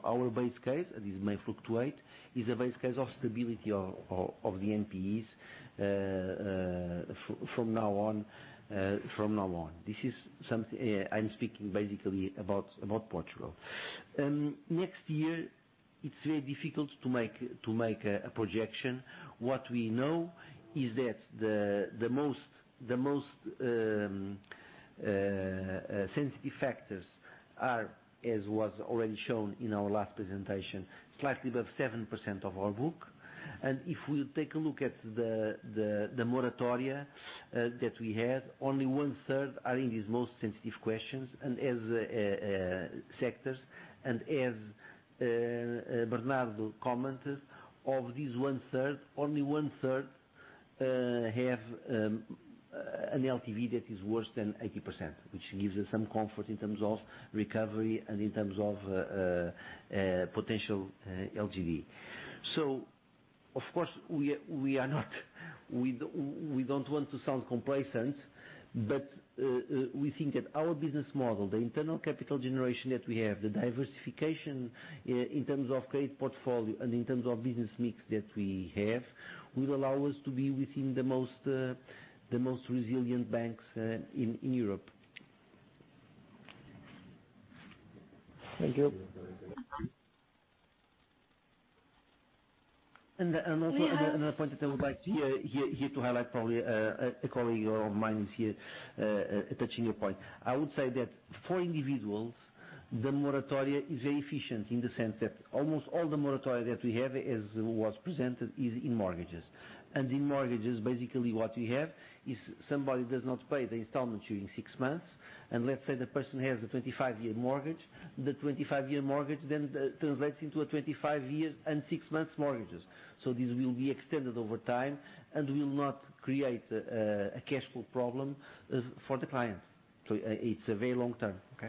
Our base case, and this may fluctuate, is a base case of stability of the NPEs from now on. I am speaking basically about Portugal. Next year, it is very difficult to make a projection. What we know is that the most sensitive factors are, as was already shown in our last presentation, slightly above 7% of our book. If we take a look at the moratoria that we had, only one-third are in these most sensitive sectors. As Bernardo commented, of this 1/3, only 1/3 have an LTV that is worse than 80%, which gives us some comfort in terms of recovery and in terms of potential LGD. Of course, we don't want to sound complacent, but we think that our business model, the internal capital generation that we have, the diversification in terms of grade portfolio and in terms of business mix that we have, will allow us to be within the most resilient banks in Europe. Thank you. Another point that I would like here to highlight, probably a colleague of mine is here, touching your point. I would say that for individuals, the moratoria is very efficient in the sense that almost all the moratoria that we have, as was presented, is in mortgages. In mortgages, basically what we have is somebody does not pay the installment during six months. Let's say the person has a 25-year mortgage. The 25-year mortgage translates into a 25 years and six months mortgages. This will be extended over time and will not create a cash flow problem for the client. It's a very long term, okay?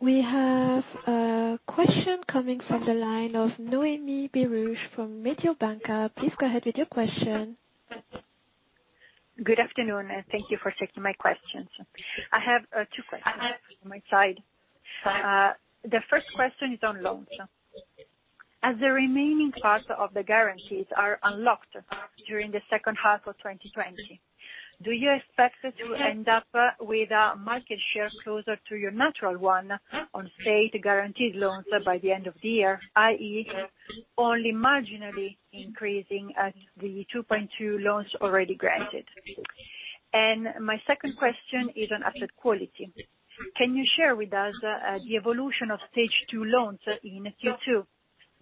We have a question coming from the line of Noemi Peruch from Mediobanca. Please go ahead with your question. Good afternoon. Thank you for taking my questions. I have two questions on my side. The first question is on loans. As the remaining parts of the guarantees are unlocked during the second half of 2020, do you expect to end up with a market share closer to your natural one on state-guaranteed loans by the end of the year, i.e., only marginally increasing at the 2.2 billion loans already granted? My second question is on asset quality. Can you share with us the evolution of stage 2 loans in Q2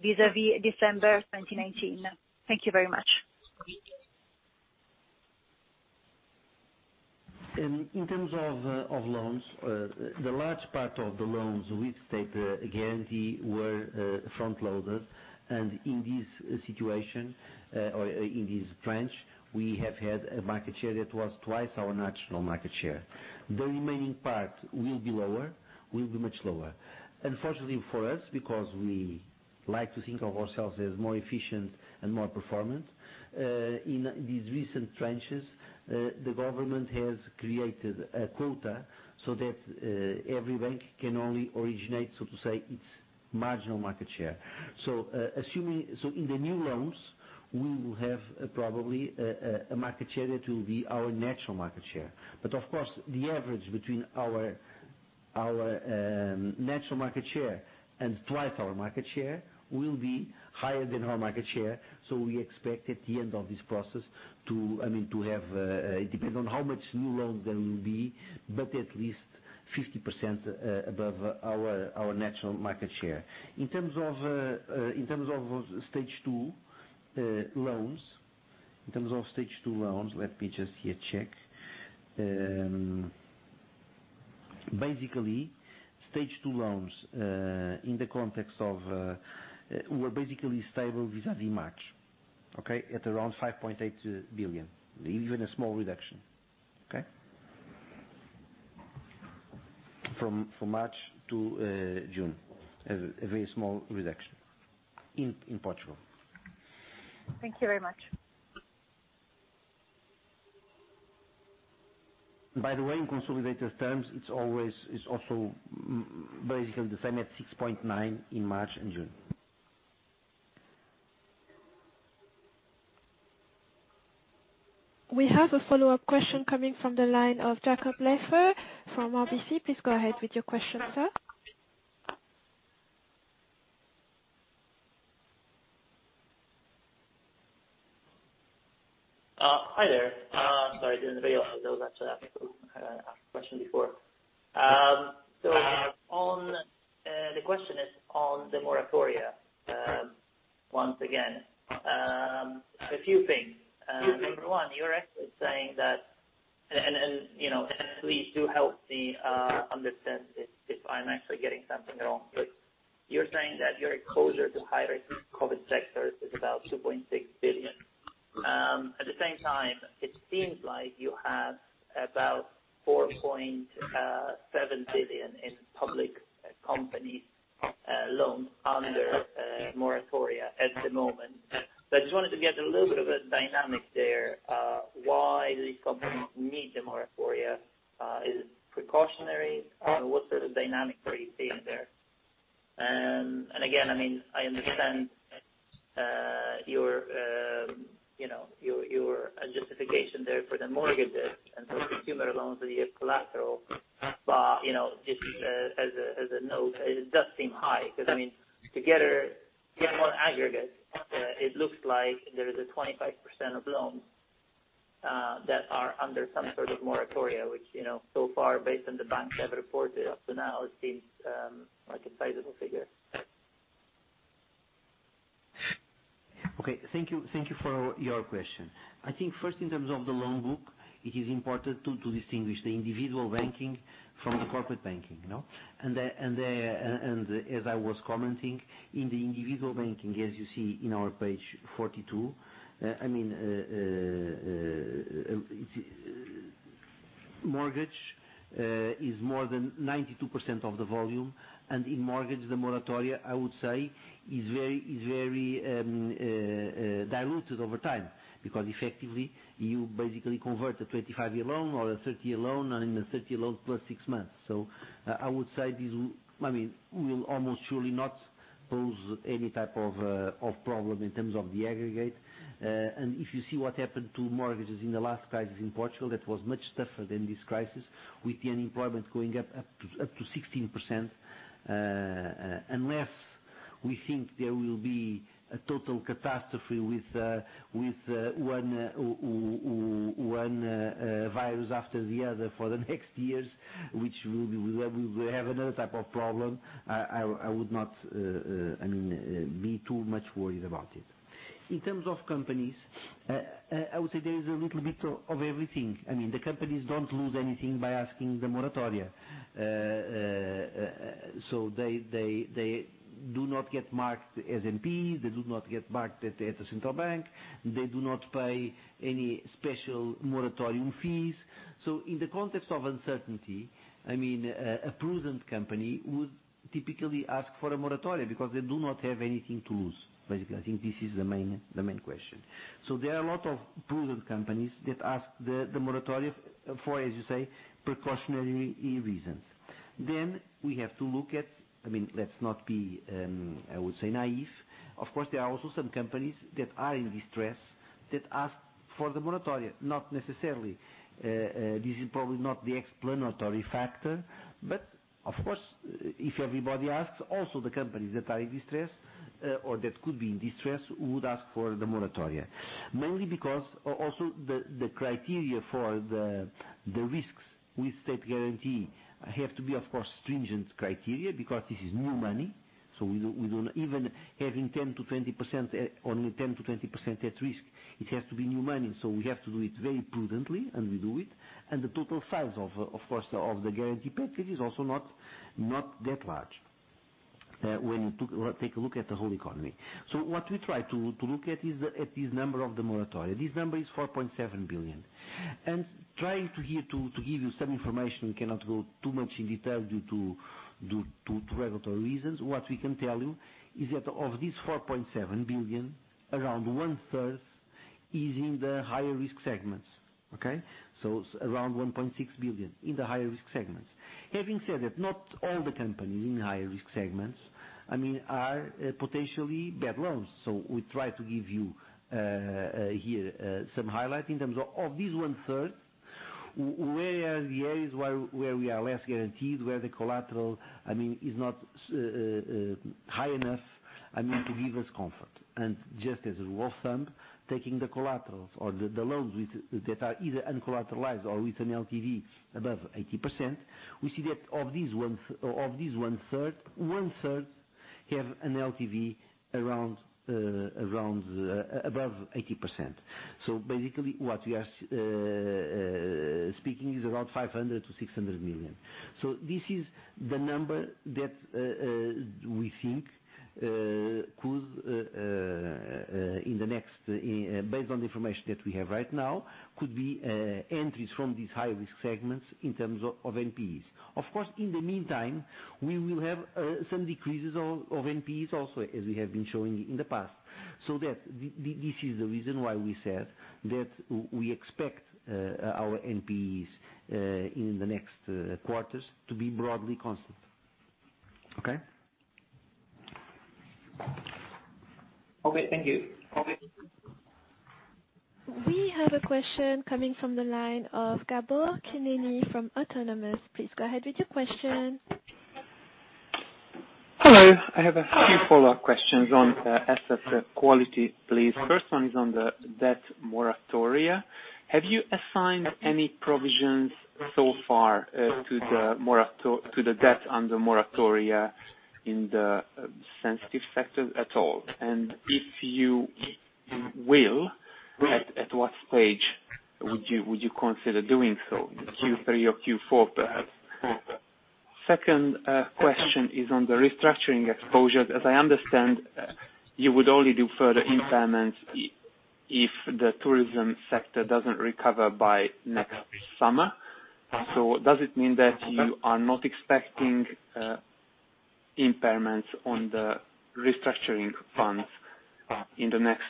vis-à-vis December 2019? Thank you very much. In terms of loans, the large part of the loans with state guarantee were front-loaded. In this situation, or in this tranche, we have had a market share that was twice our natural market share. The remaining part will be much lower. Unfortunately for us, because we like to think of ourselves as more efficient and more performant, in these recent tranches, the government has created a quota so that every bank can only originate, so to say, its marginal market share. In the new loans, we will have probably a market share that will be our natural market share. Of course, the average between our natural market share and twice our market share will be higher than our market share. We expect at the end of this process, it depends on how much new loans there will be, but at least 50% above our natural market share. In terms of stage 2 loans, let me just here check. Basically, stage 2 loans, were basically stable vis-à-vis March. Okay. At around 5.8 billion. Even a small reduction. Okay. From March to June, a very small reduction in Portugal. Thank you very much. By the way, in consolidated terms, it's also basically the same at 6.9 billion in March and June. We have a follow-up question coming from the line of Jacob Leifer from RBC. Please go ahead with your question, sir. Hi there, sorry I didn't get your to ask a question before. So on the question on the moratoria, once again, a few things. Number one, you're saying that, please do help me understand if I'm actually getting something wrong, but you're saying that you're closer to higher rates than COVID sectors, about 2.6 billion. At the same time, it seems like you have about 4.7 billion in public company loans under the moratoria at the moment. But I just wanted to get a little bit of a dynamic there. Why do the companies need the moratoria? Is it precautionary or what's the dynamic that you're seeing there? And again, I mean, I understand your, you know, your justification there for the moratoria, and how much consumer loans do you have collateral. But you know, as a note, it does seem high, because I mean, together, the more aggregate, it looks like there is a 25% of loans that are under some sort of moratoria, which, you know, so far based on the banks that have reported the analytics, are comparable figures. Okay. Thank you for your question. I think first, in terms of the loan book, it is important to distinguish the individual banking from the corporate banking. As I was commenting, in individual banking, as you see on page 42, mortgage is more than 92% of the volume, and in mortgage, the moratoria, I would say, is very diluted over time, because effectively you basically convert a 25-year loan or a 30-year loan, and a 30-year loan plus six months. I would say this will almost surely not pose any type of problem in terms of the aggregate. If you see what happened to mortgages in the last crisis in Portugal, that was much tougher than this crisis, with the unemployment going up to 16%. Unless we think there will be a total catastrophe with one virus after the other for the next years, which we will have another type of problem, I would not be too much worried about it. In terms of companies, I would say there is a little bit of everything. The companies don't lose anything by asking the moratoria. They do not get marked as NPE, they do not get marked at the central bank, they do not pay any special moratorium fees. In the context of uncertainty, a prudent company would typically ask for a moratoria because they do not have anything to lose, basically. I think this is the main question. There are a lot of prudent companies that ask the moratoria for, as you say, precautionary reasons. We have to look at, let's not be, I would say naive. Of course, there are also some companies that are in distress that ask for the moratoria. Not necessarily. This is probably not the explanatory factor, but of course, if everybody asks, also the companies that are in distress or that could be in distress would ask for the moratoria. Mainly because also the criteria for the risks with state guarantee have to be, of course, stringent criteria because this is new money. Even having only 10%-20% at risk, it has to be new money. We have to do it very prudently, and we do it. The total size, of course, of the guarantee package is also not that large when you take a look at the whole economy. What we try to look at is this number of the moratoria. This number is 4.7 billion. Trying to give you some information, we cannot go too much in detail due to regulatory reasons. What we can tell you is that of this 4.7 billion, around 1/3 is in the higher-risk segments. Okay. Around 1.6 billion in the higher-risk segments. Having said that, not all the companies in higher-risk segments are potentially bad loans. We try to give you here some highlight in terms of this one-third. Where are the areas where we are less guaranteed, where the collateral is not high enough to give us comfort? Just as a rough thumb, taking the collaterals or the loans that are either uncollateralized or with an LTV above 80%, we see that of this 1/3, 1/3 have an LTV above 80%. Basically, what we are speaking is around 500 million-600 million. This is the number that we think, based on the information that we have right now, could be entries from these high-risk segments in terms of NPEs. Of course, in the meantime, we will have some decreases of NPEs also, as we have been showing in the past. This is the reason why we said that we expect our NPEs in the next quarters to be broadly constant. Okay? Okay, thank you. We have a question coming from the line of Gabor Kemeny from Autonomous. Please go ahead with your question. Hello. I have a few follow-up questions on asset quality, please. First one is on the debt moratoria. Have you assigned any provisions so far to the debt under moratoria in the sensitive sectors at all? If you will, at what stage would you consider doing so? Q3 or Q4, perhaps? Second question is on the restructuring exposures. As I understand, you would only do further impairments if the tourism sector doesn't recover by next summer. Does it mean that you are not expecting impairments on the restructuring front in the next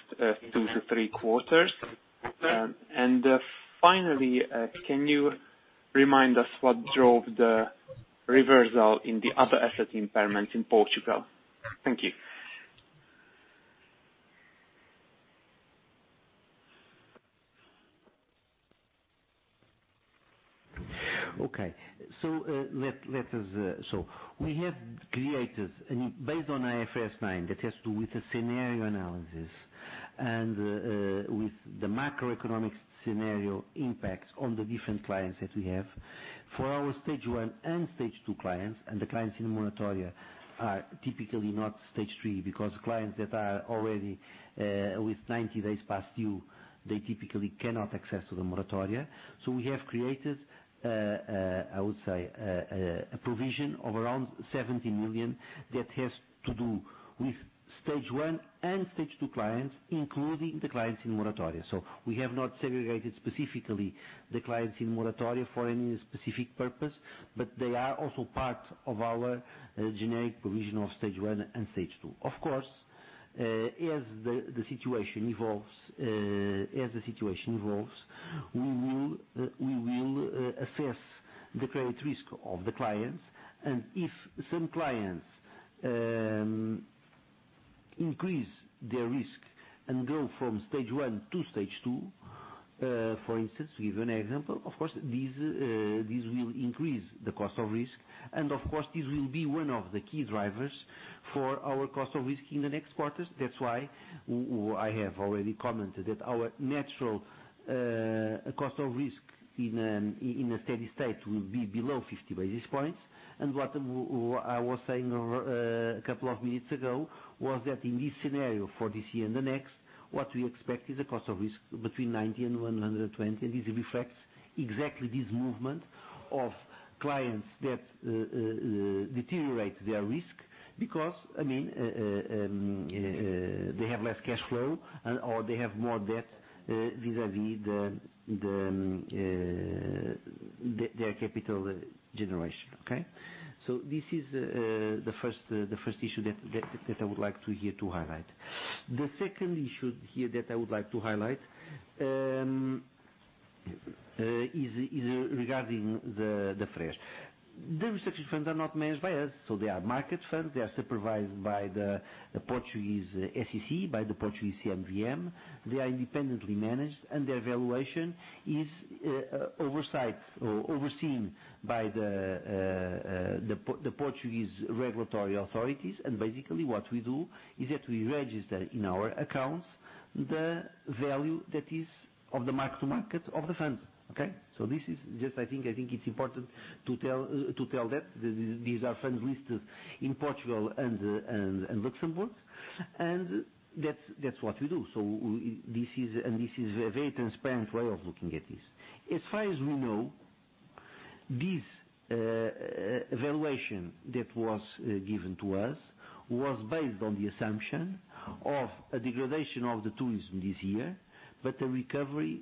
two to three quarters? Finally, can you remind us what drove the reversal in the other asset impairments in Portugal? Thank you. Okay. We have created, based on IFRS 9, that has to do with a scenario analysis and with the macroeconomic scenario impacts on the different clients that we have. For our stage 1 and stage 2 clients, and the clients in moratoria are typically not stage 3, because clients that are already with 90 days past due, they typically cannot access the moratoria. We have created, I would say, a provision of around 70 million that has to do with stage 1 and stage 2 clients, including the clients in moratoria. We have not segregated specifically the clients in moratoria for any specific purpose, but they are also part of our generic provision of stage 1 and stage 2. Of course, as the situation evolves, we will assess the credit risk of the clients, and if some clients increase their risk and go from stage 1 to stage 2, for instance, to give an example, of course, this will increase the cost of risk. Of course, this will be one of the key drivers for our cost of risk in the next quarters. That's why I have already commented that our natural cost of risk in a steady state will be below 50 basis points. What I was saying a couple of minutes ago was that in this scenario for this year and the next, what we expect is a cost of risk between 90 basis points and 120 basis points, and this reflects exactly this movement of clients that deteriorate their risk because they have less cash flow or they have more debt vis-à-vis their capital generation. Okay? This is the first issue that I would like here to highlight. The second issue here that I would like to highlight is regarding the fresh. The research funds are not managed by us. They are market funds. They are supervised by the Portuguese SEC, by the Portuguese CMVM. They are independently managed, and their valuation is overseen by the Portuguese regulatory authorities. Basically, what we do is that we register in our accounts the value that is of the mark-to-market of the funds. Okay. This is, I think it's important to tell that these are funds listed in Portugal and Luxembourg, and that's what we do. This is a very transparent way of looking at this. As far as we know, this valuation that was given to us was based on the assumption of a degradation of the tourism this year, but a recovery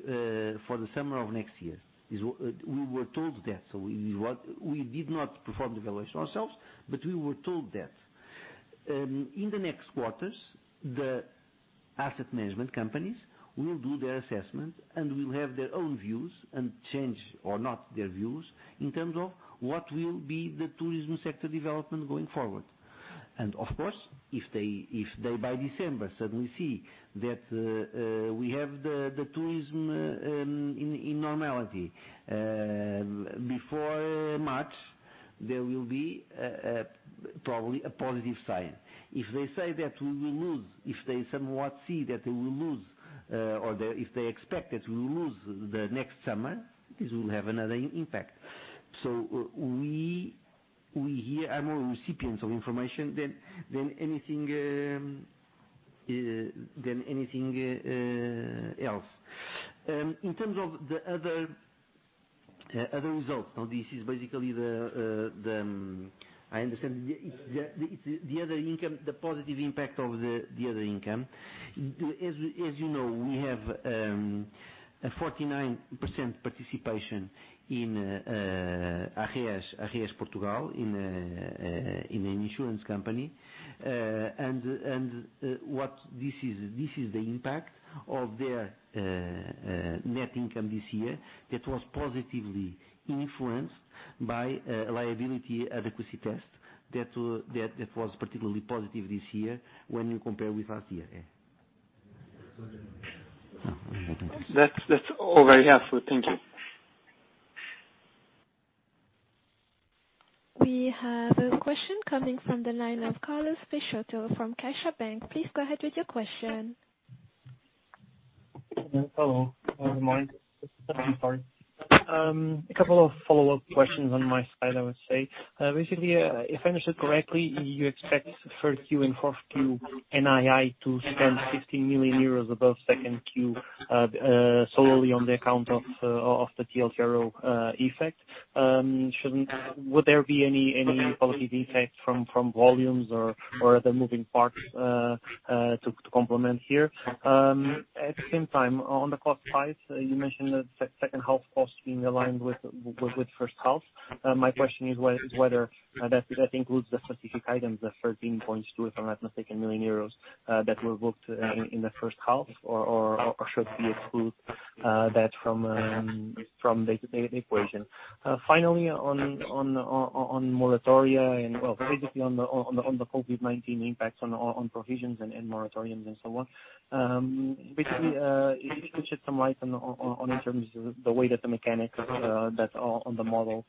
for the summer of next year. We were told that. We did not perform the valuation ourselves, but we were told that. In the next quarters, the asset management companies will do their assessment, and will have their own views and change or not their views in terms of what will be the tourism sector development going forward. Of course, if they, by December, suddenly see that we have the tourism in normality before March, there will be probably a positive sign. If they say that we will lose, if they somewhat see that we will lose, or if they expect that we will lose the next summer, this will have another impact. We here are more recipients of information than anything else. In terms of the other results, now this is basically the, I understand, the other income, the positive impact of the other income. As you know, we have a 49% participation in Ageas Portugal, in an insurance company. What this is, this is the impact of their net income this year that was positively influenced by a liability adequacy test that was particularly positive this year when you compare with last year. Yeah. That's all I have. Thank you. We have a question coming from the line of Carlos Peixoto from CaixaBank. Please go ahead with your question. Hello. A couple of follow-up questions on my side, I would say. If I understood correctly, you expect the third Q and fourth Q NII to expand 15 million euros above second Q solely on the account of the TLTRO effect. Would there be any positive effects from volumes or other moving parts to complement here? On the cost side, you mentioned the second half costs being aligned with first half. My question is whether that includes the specific items, the 13.2 million, if I'm not mistaken, that were booked in the first half or should we exclude that from the equation? On moratoria and, well, basically on the COVID-19 impacts on provisions and moratoriums and so on. Basically, could you shed some light on in terms of the way that the mechanics that are on the model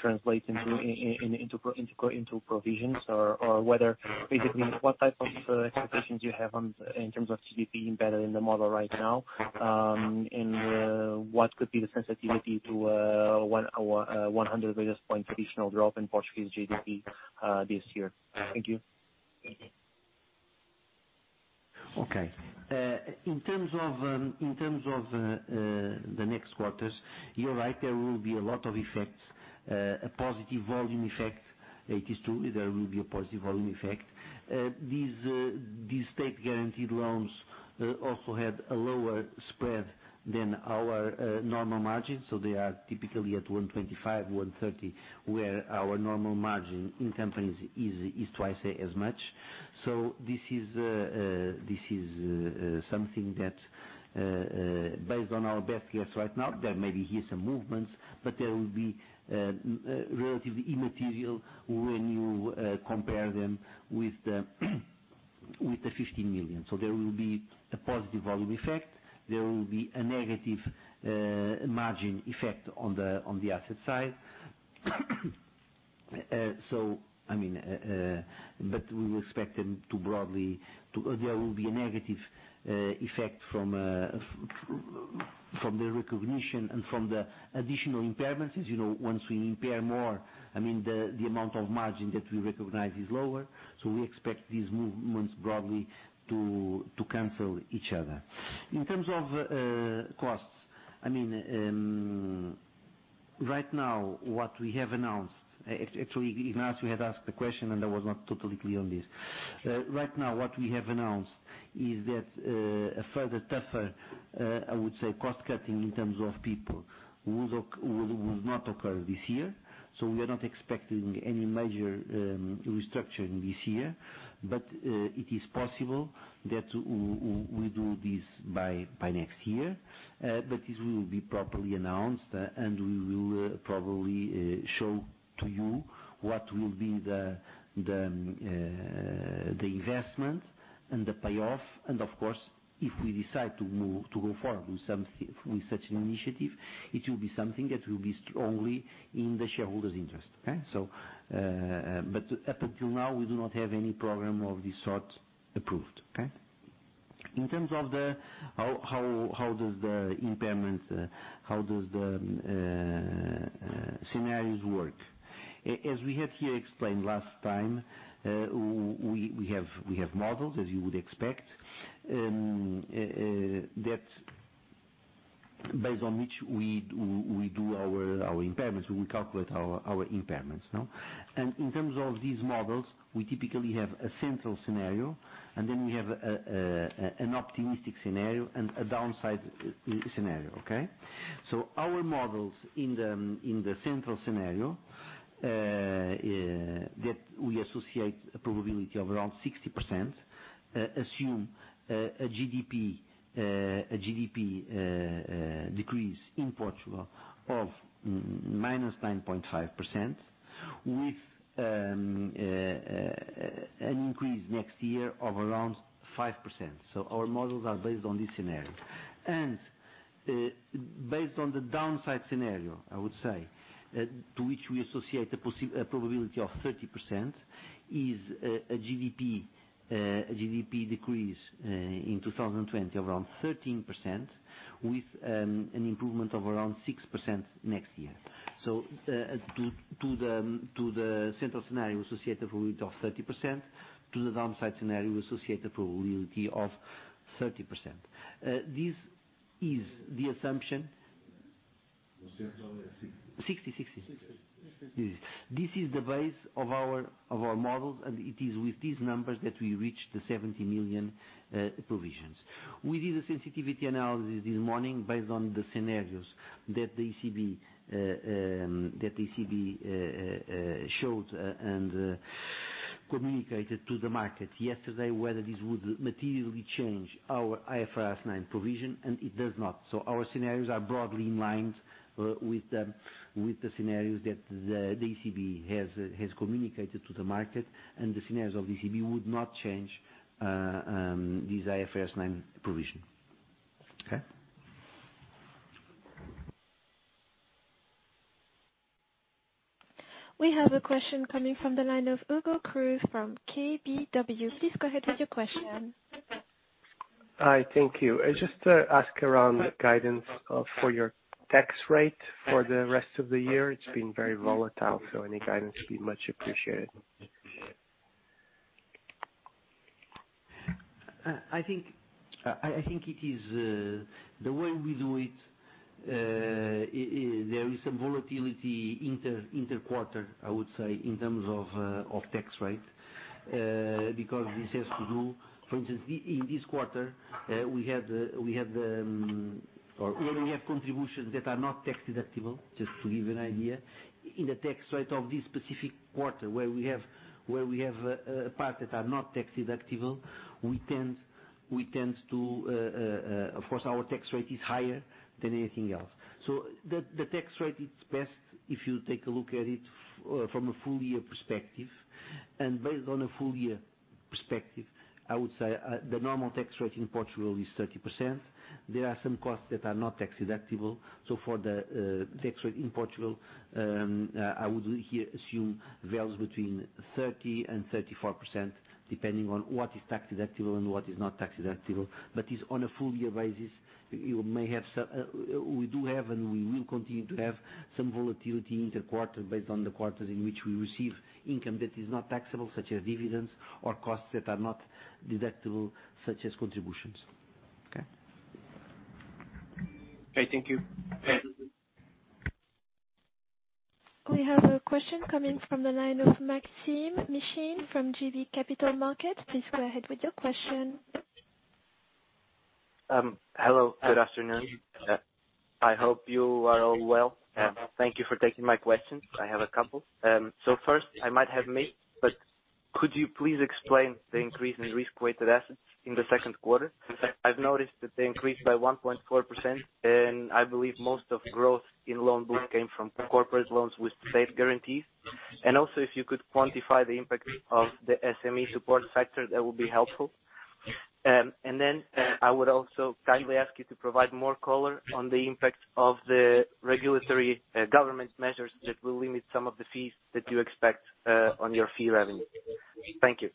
translates into provisions or whether basically what type of expectations you have in terms of GDP embedded in the model right now? What could be the sensitivity to a 100 basis points additional drop in Portuguese GDP this year? Thank you. In terms of the next quarters, you're right, there will be a lot of effects, a positive volume effect. It is true there will be a positive volume effect. These state-guaranteed loans also had a lower spread than our normal margin. They are typically at 125 basis points, 130 basis points, where our normal margin in companies is twice as much. This is something that, based on our best guess right now, there may be here some movements, but they will be relatively immaterial when you compare them with the 50 million. There will be a positive volume effect. There will be a negative margin effect on the asset side. We expect them to, there will be a negative effect from the recognition and from the additional impairments. As you know, once we impair more, the amount of margin that we recognize is lower. We expect these movements broadly to cancel each other. In terms of costs. Right now, what we have announced, actually, Ignacio had asked the question, and I was not totally clear on this. Right now, what we have announced is that a further tougher, I would say, cost-cutting in terms of people will not occur this year. We are not expecting any major restructuring this year, but it is possible that we do this by next year. This will be properly announced, and we will probably show to you what will be the investment and the payoff. Of course, if we decide to go forward with such an initiative, it will be something that will be strongly in the shareholders' interest. Okay? Up until now, we do not have any program of this sort approved. Okay? In terms of how does the impairments, how does the scenarios work. As we had here explained last time, we have models, as you would expect, based on which we do our impairments, we calculate our impairments. In terms of these models, we typically have a central scenario, then we have an optimistic scenario and a downside scenario. Okay. Our models in the central scenario, that we associate a probability of around 60%. Assume a GDP decrease in Portugal of -9.5%, with an increase next year of around 5%. Our models are based on this scenario. Based on the downside scenario, I would say, to which we associate a probability of 30%, is a GDP decrease in 2020 of around 13% with an improvement of around 6% next year. To the central scenario associated with a weight of 30%, to the downside scenario associated probability of 30%. This is the assumption. 60%. This is the base of our models, and it is with these numbers that we reach the 70 million provisions. We did a sensitivity analysis this morning based on the scenarios that the ECB showed and communicated to the market yesterday, whether this would materially change our IFRS 9 provision, and it does not. Our scenarios are broadly in line with the scenarios that the ECB has communicated to the market, and the scenarios of ECB would not change this IFRS 9 provision. Okay? We have a question coming from the line of Hugo Cruz from KBW. Please go ahead with your question. Hi. Thank you. Just to ask around the guidance for your tax rate for the rest of the year. It's been very volatile. Any guidance would be much appreciated. I think the way we do it, there is some volatility inter-quarter, I would say, in terms of tax rate because this has to do, for instance, in this quarter, we have contributions that are not tax deductible, just to give an idea. In the tax rate of this specific quarter where we have a part that are not tax deductible, of course, our tax rate is higher than anything else. The tax rate, it's best if you take a look at it from a full year perspective. Based on a full year perspective, I would say the normal tax rate in Portugal is 30%. There are some costs that are not tax deductible. For the tax rate in Portugal, I would here assume values between 30%-34%, depending on what is tax deductible and what is not tax deductible. It's on a full year basis. We do have, and we will continue to have, some volatility inter-quarter based on the quarters in which we receive income that is not taxable, such as dividends or costs that are not deductible, such as contributions. Okay? Okay, thank you. Okay. We have a question coming from the line of Maksym Mishyn from JB Capital Markets. Please go ahead with your question. Hello, good afternoon. I hope you are all well. Thank you for taking my question. I have a couple. First, I might have missed, but could you please explain the increase in risk-weighted assets in the second quarter? I've noticed that they increased by 1.4%, I believe most of growth in loan books came from corporate loans with state guarantees. Also, if you could quantify the impact of the SME support factor, that would be helpful. I would also kindly ask you to provide more color on the impact of the regulatory government measures that will limit some of the fees that you expect on your fee revenue. Thank you.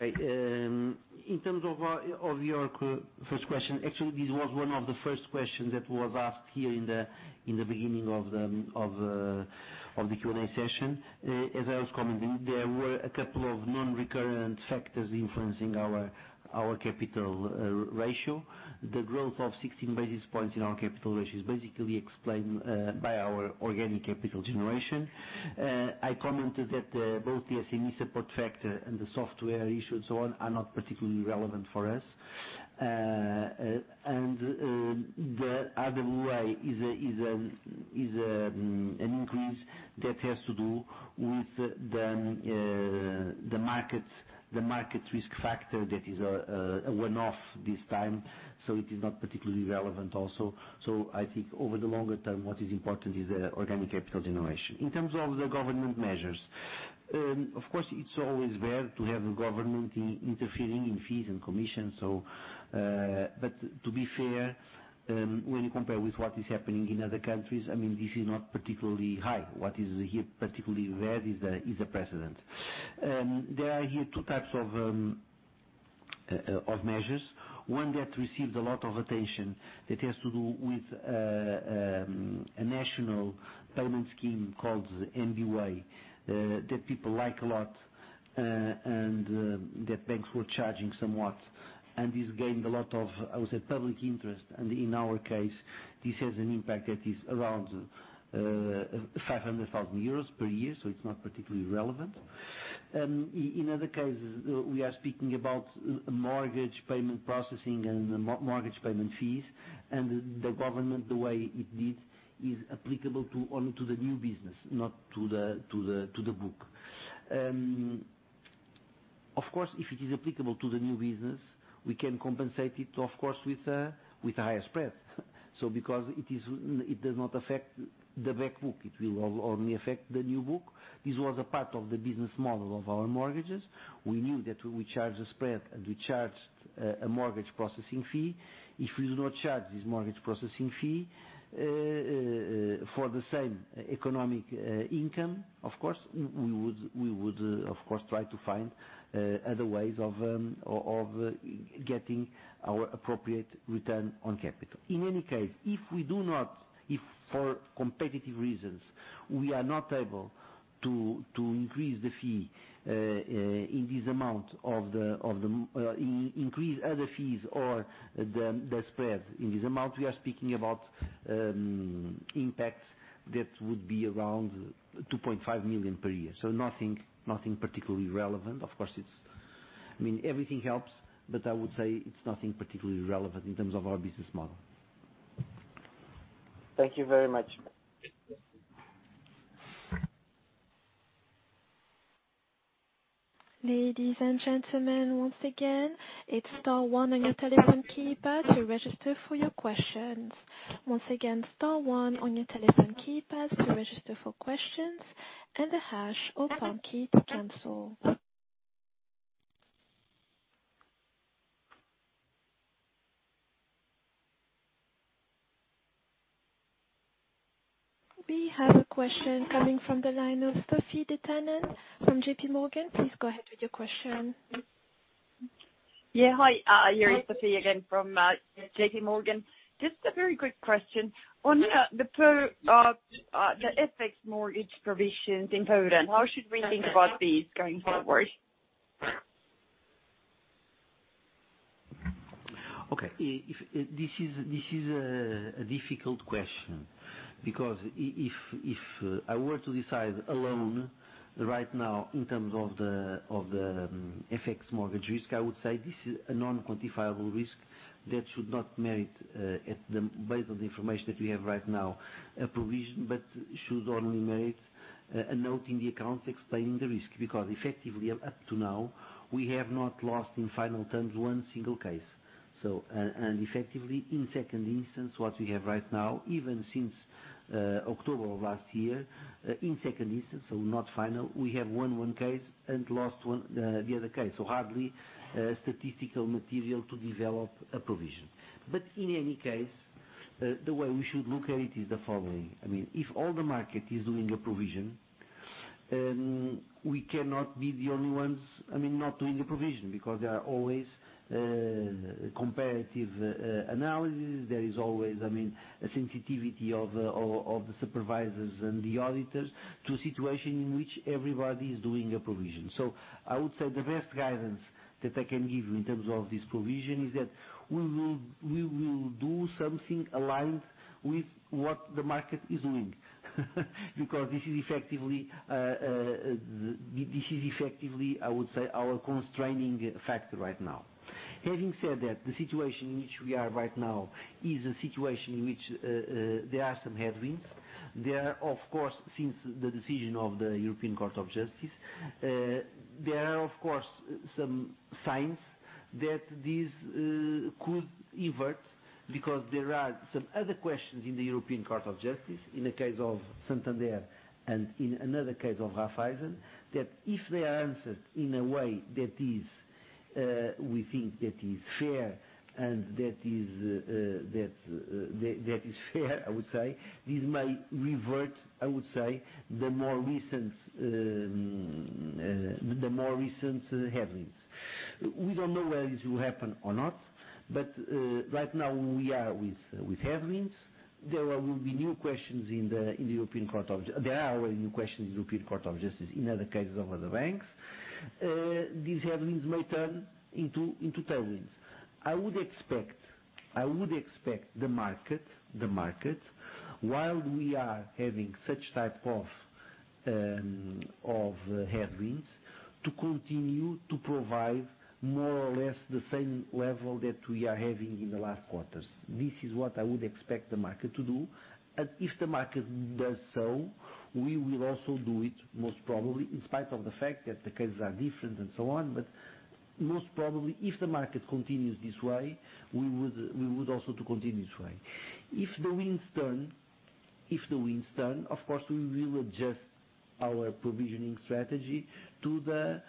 In terms of your first question, actually, this was one of the first questions that was asked here in the beginning of the Q&A session. As I was commenting, there were a couple of non-recurrent factors influencing our capital ratio. The growth of 16 basis points in our capital ratio is basically explained by our organic capital generation. I commented that both the SME support factor and the software issue and so on are not particularly relevant for us. The other way is an increase that has to do with the market risk factor that is a one-off this time, so it is not particularly relevant also. I think over the longer term, what is important is the organic capital generation. In terms of the government measures, of course, it's always there to have the government interfering in fees and commissions. To be fair, when you compare with what is happening in other countries, this is not particularly high. What is here particularly there is a precedent. There are here two types of measures. One that receives a lot of attention, that has to do with a national payment scheme called the MB WAY, that people like a lot, and that banks were charging somewhat. This gained a lot of, I would say, public interest, and in our case, this has an impact that is around 500,000 euros per year, so it's not particularly relevant. In other cases, we are speaking about mortgage payment processing and mortgage payment fees, the government, the way it did, is applicable only to the new business, not to the book. Of course, if it is applicable to the new business, we can compensate it, of course, with higher spreads. Because it does not affect the back book, it will only affect the new book. This was a part of the business model of our mortgages. We knew that we charge a spread, and we charged a mortgage processing fee. If we do not charge this mortgage processing fee, for the same economic income, we would, of course, try to find other ways of getting our appropriate return on capital. In any case, if for competitive reasons, we are not able to increase other fees or the spread in this amount, we are speaking about impacts that would be around 2.5 million per year. Nothing particularly relevant. Everything helps, but I would say it's nothing particularly relevant in terms of our business model. Thank you very much. Ladies and gentlemen, once again, it's star one on your telephone keypad to register for your questions. Once again, star one on your telephone keypads to register for questions and the hash or pound key to cancel. We have a question coming from the line of Sofie Peterzens from JPMorgan. Please go ahead with your question. Yeah. Hi. You're with Sofie again from JPMorgan. Just a very quick question. On the FX mortgage provisions in Poland, how should we think about these going forward? Okay. This is a difficult question because if I were to decide alone right now in terms of the FX mortgage risk, I would say this is a non-quantifiable risk that should not merit, based on the information that we have right now, a provision, but should only merit a note in the accounts explaining the risk. Because effectively, up to now, we have not lost in final terms one single case. Effectively, in second instance, what we have right now, even since October of last year, in second instance, not final, we have won one case and lost the other case. Hardly statistical material to develop a provision. In any case, the way we should look at it is the following. If all the market is doing a provision, we cannot be the only ones not doing a provision because there are always comparative analyses, there is always a sensitivity of the supervisors and the auditors to a situation in which everybody is doing a provision. I would say the best guidance that I can give you in terms of this provision is that we will do something aligned with what the market is doing because this is effectively, I would say, our constraining factor right now. Having said that, the situation in which we are right now is a situation in which there are some headwinds. There are, of course, since the decision of the European Court of Justice, there are, of course, some signs that this could invert because there are some other questions in the European Court of Justice in the case of Santander and in another case of Raiffeisen, that if they are answered in a way that we think that is fair, I would say, this may revert, I would say, the more recent headwinds. We don't know whether this will happen or not, but right now we are with headwinds. There are new questions in the European Court of Justice in other cases of other banks. These headwinds may turn into tailwinds. I would expect the market, while we are having such type of headwinds, to continue to provide more or less the same level that we are having in the last quarters. This is what I would expect the market to do. If the market does so, we will also do it most probably in spite of the fact that the cases are different and so on. Most probably, if the market continues this way, we would also to continue this way. If the winds turn, of course, we will adjust our provisioning strategy to this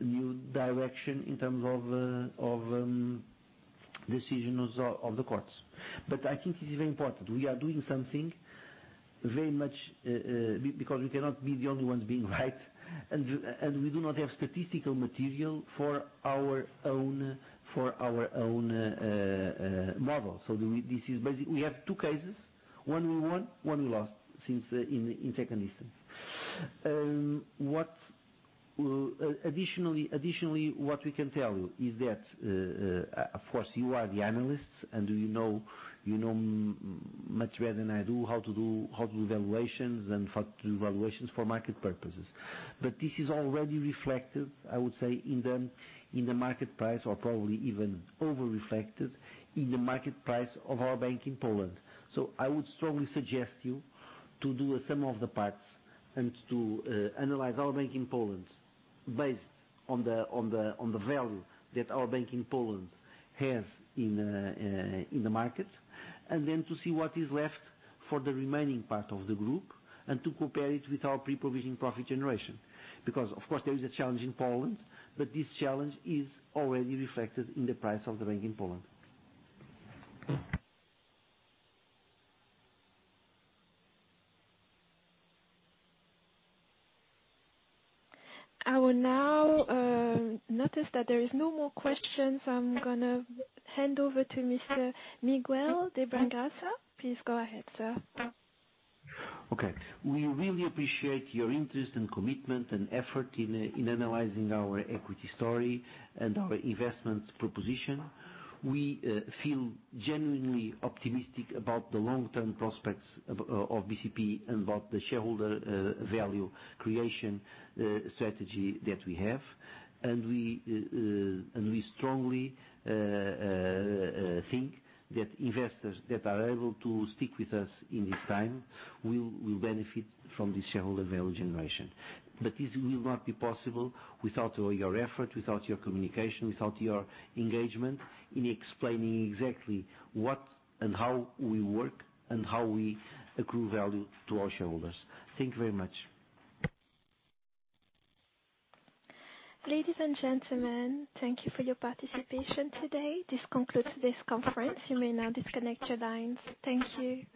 new direction in terms of decisions of the courts. I think it is very important, we are doing something very much because we cannot be the only ones being right. We do not have statistical material for our own model. We have two cases, one we won, one we lost in second instance. Additionally, what we can tell you is that, of course, you are the analysts and you know much better than I do how to do valuations and how to do valuations for market purposes. This is already reflected, I would say, in the market price or probably even over-reflected in the market price of our bank in Poland. I would strongly suggest you to do a sum of the parts and to analyze our bank in Poland based on the value that our bank in Poland has in the market, and then to see what is left for the remaining part of the group, and to compare it with our pre-provision profit generation. Because of course there is a challenge in Poland, but this challenge is already reflected in the price of the bank in Poland. I will now...notice that there is no more questions. I'm going to hand over to Mr. Miguel de Bragança. Please go ahead, sir. Okay. We really appreciate your interest and commitment and effort in analyzing our equity story and our investment proposition. We feel genuinely optimistic about the long-term prospects of BCP and about the shareholder value creation strategy that we have. We strongly think that investors that are able to stick with us in this time will benefit from this shareholder value generation. This will not be possible without your effort, without your communication, without your engagement in explaining exactly what and how we work and how we accrue value to our shareholders. Thank you very much. Ladies and gentlemen, thank you for your participation today. This concludes this conference. You may now disconnect your lines. Thank you.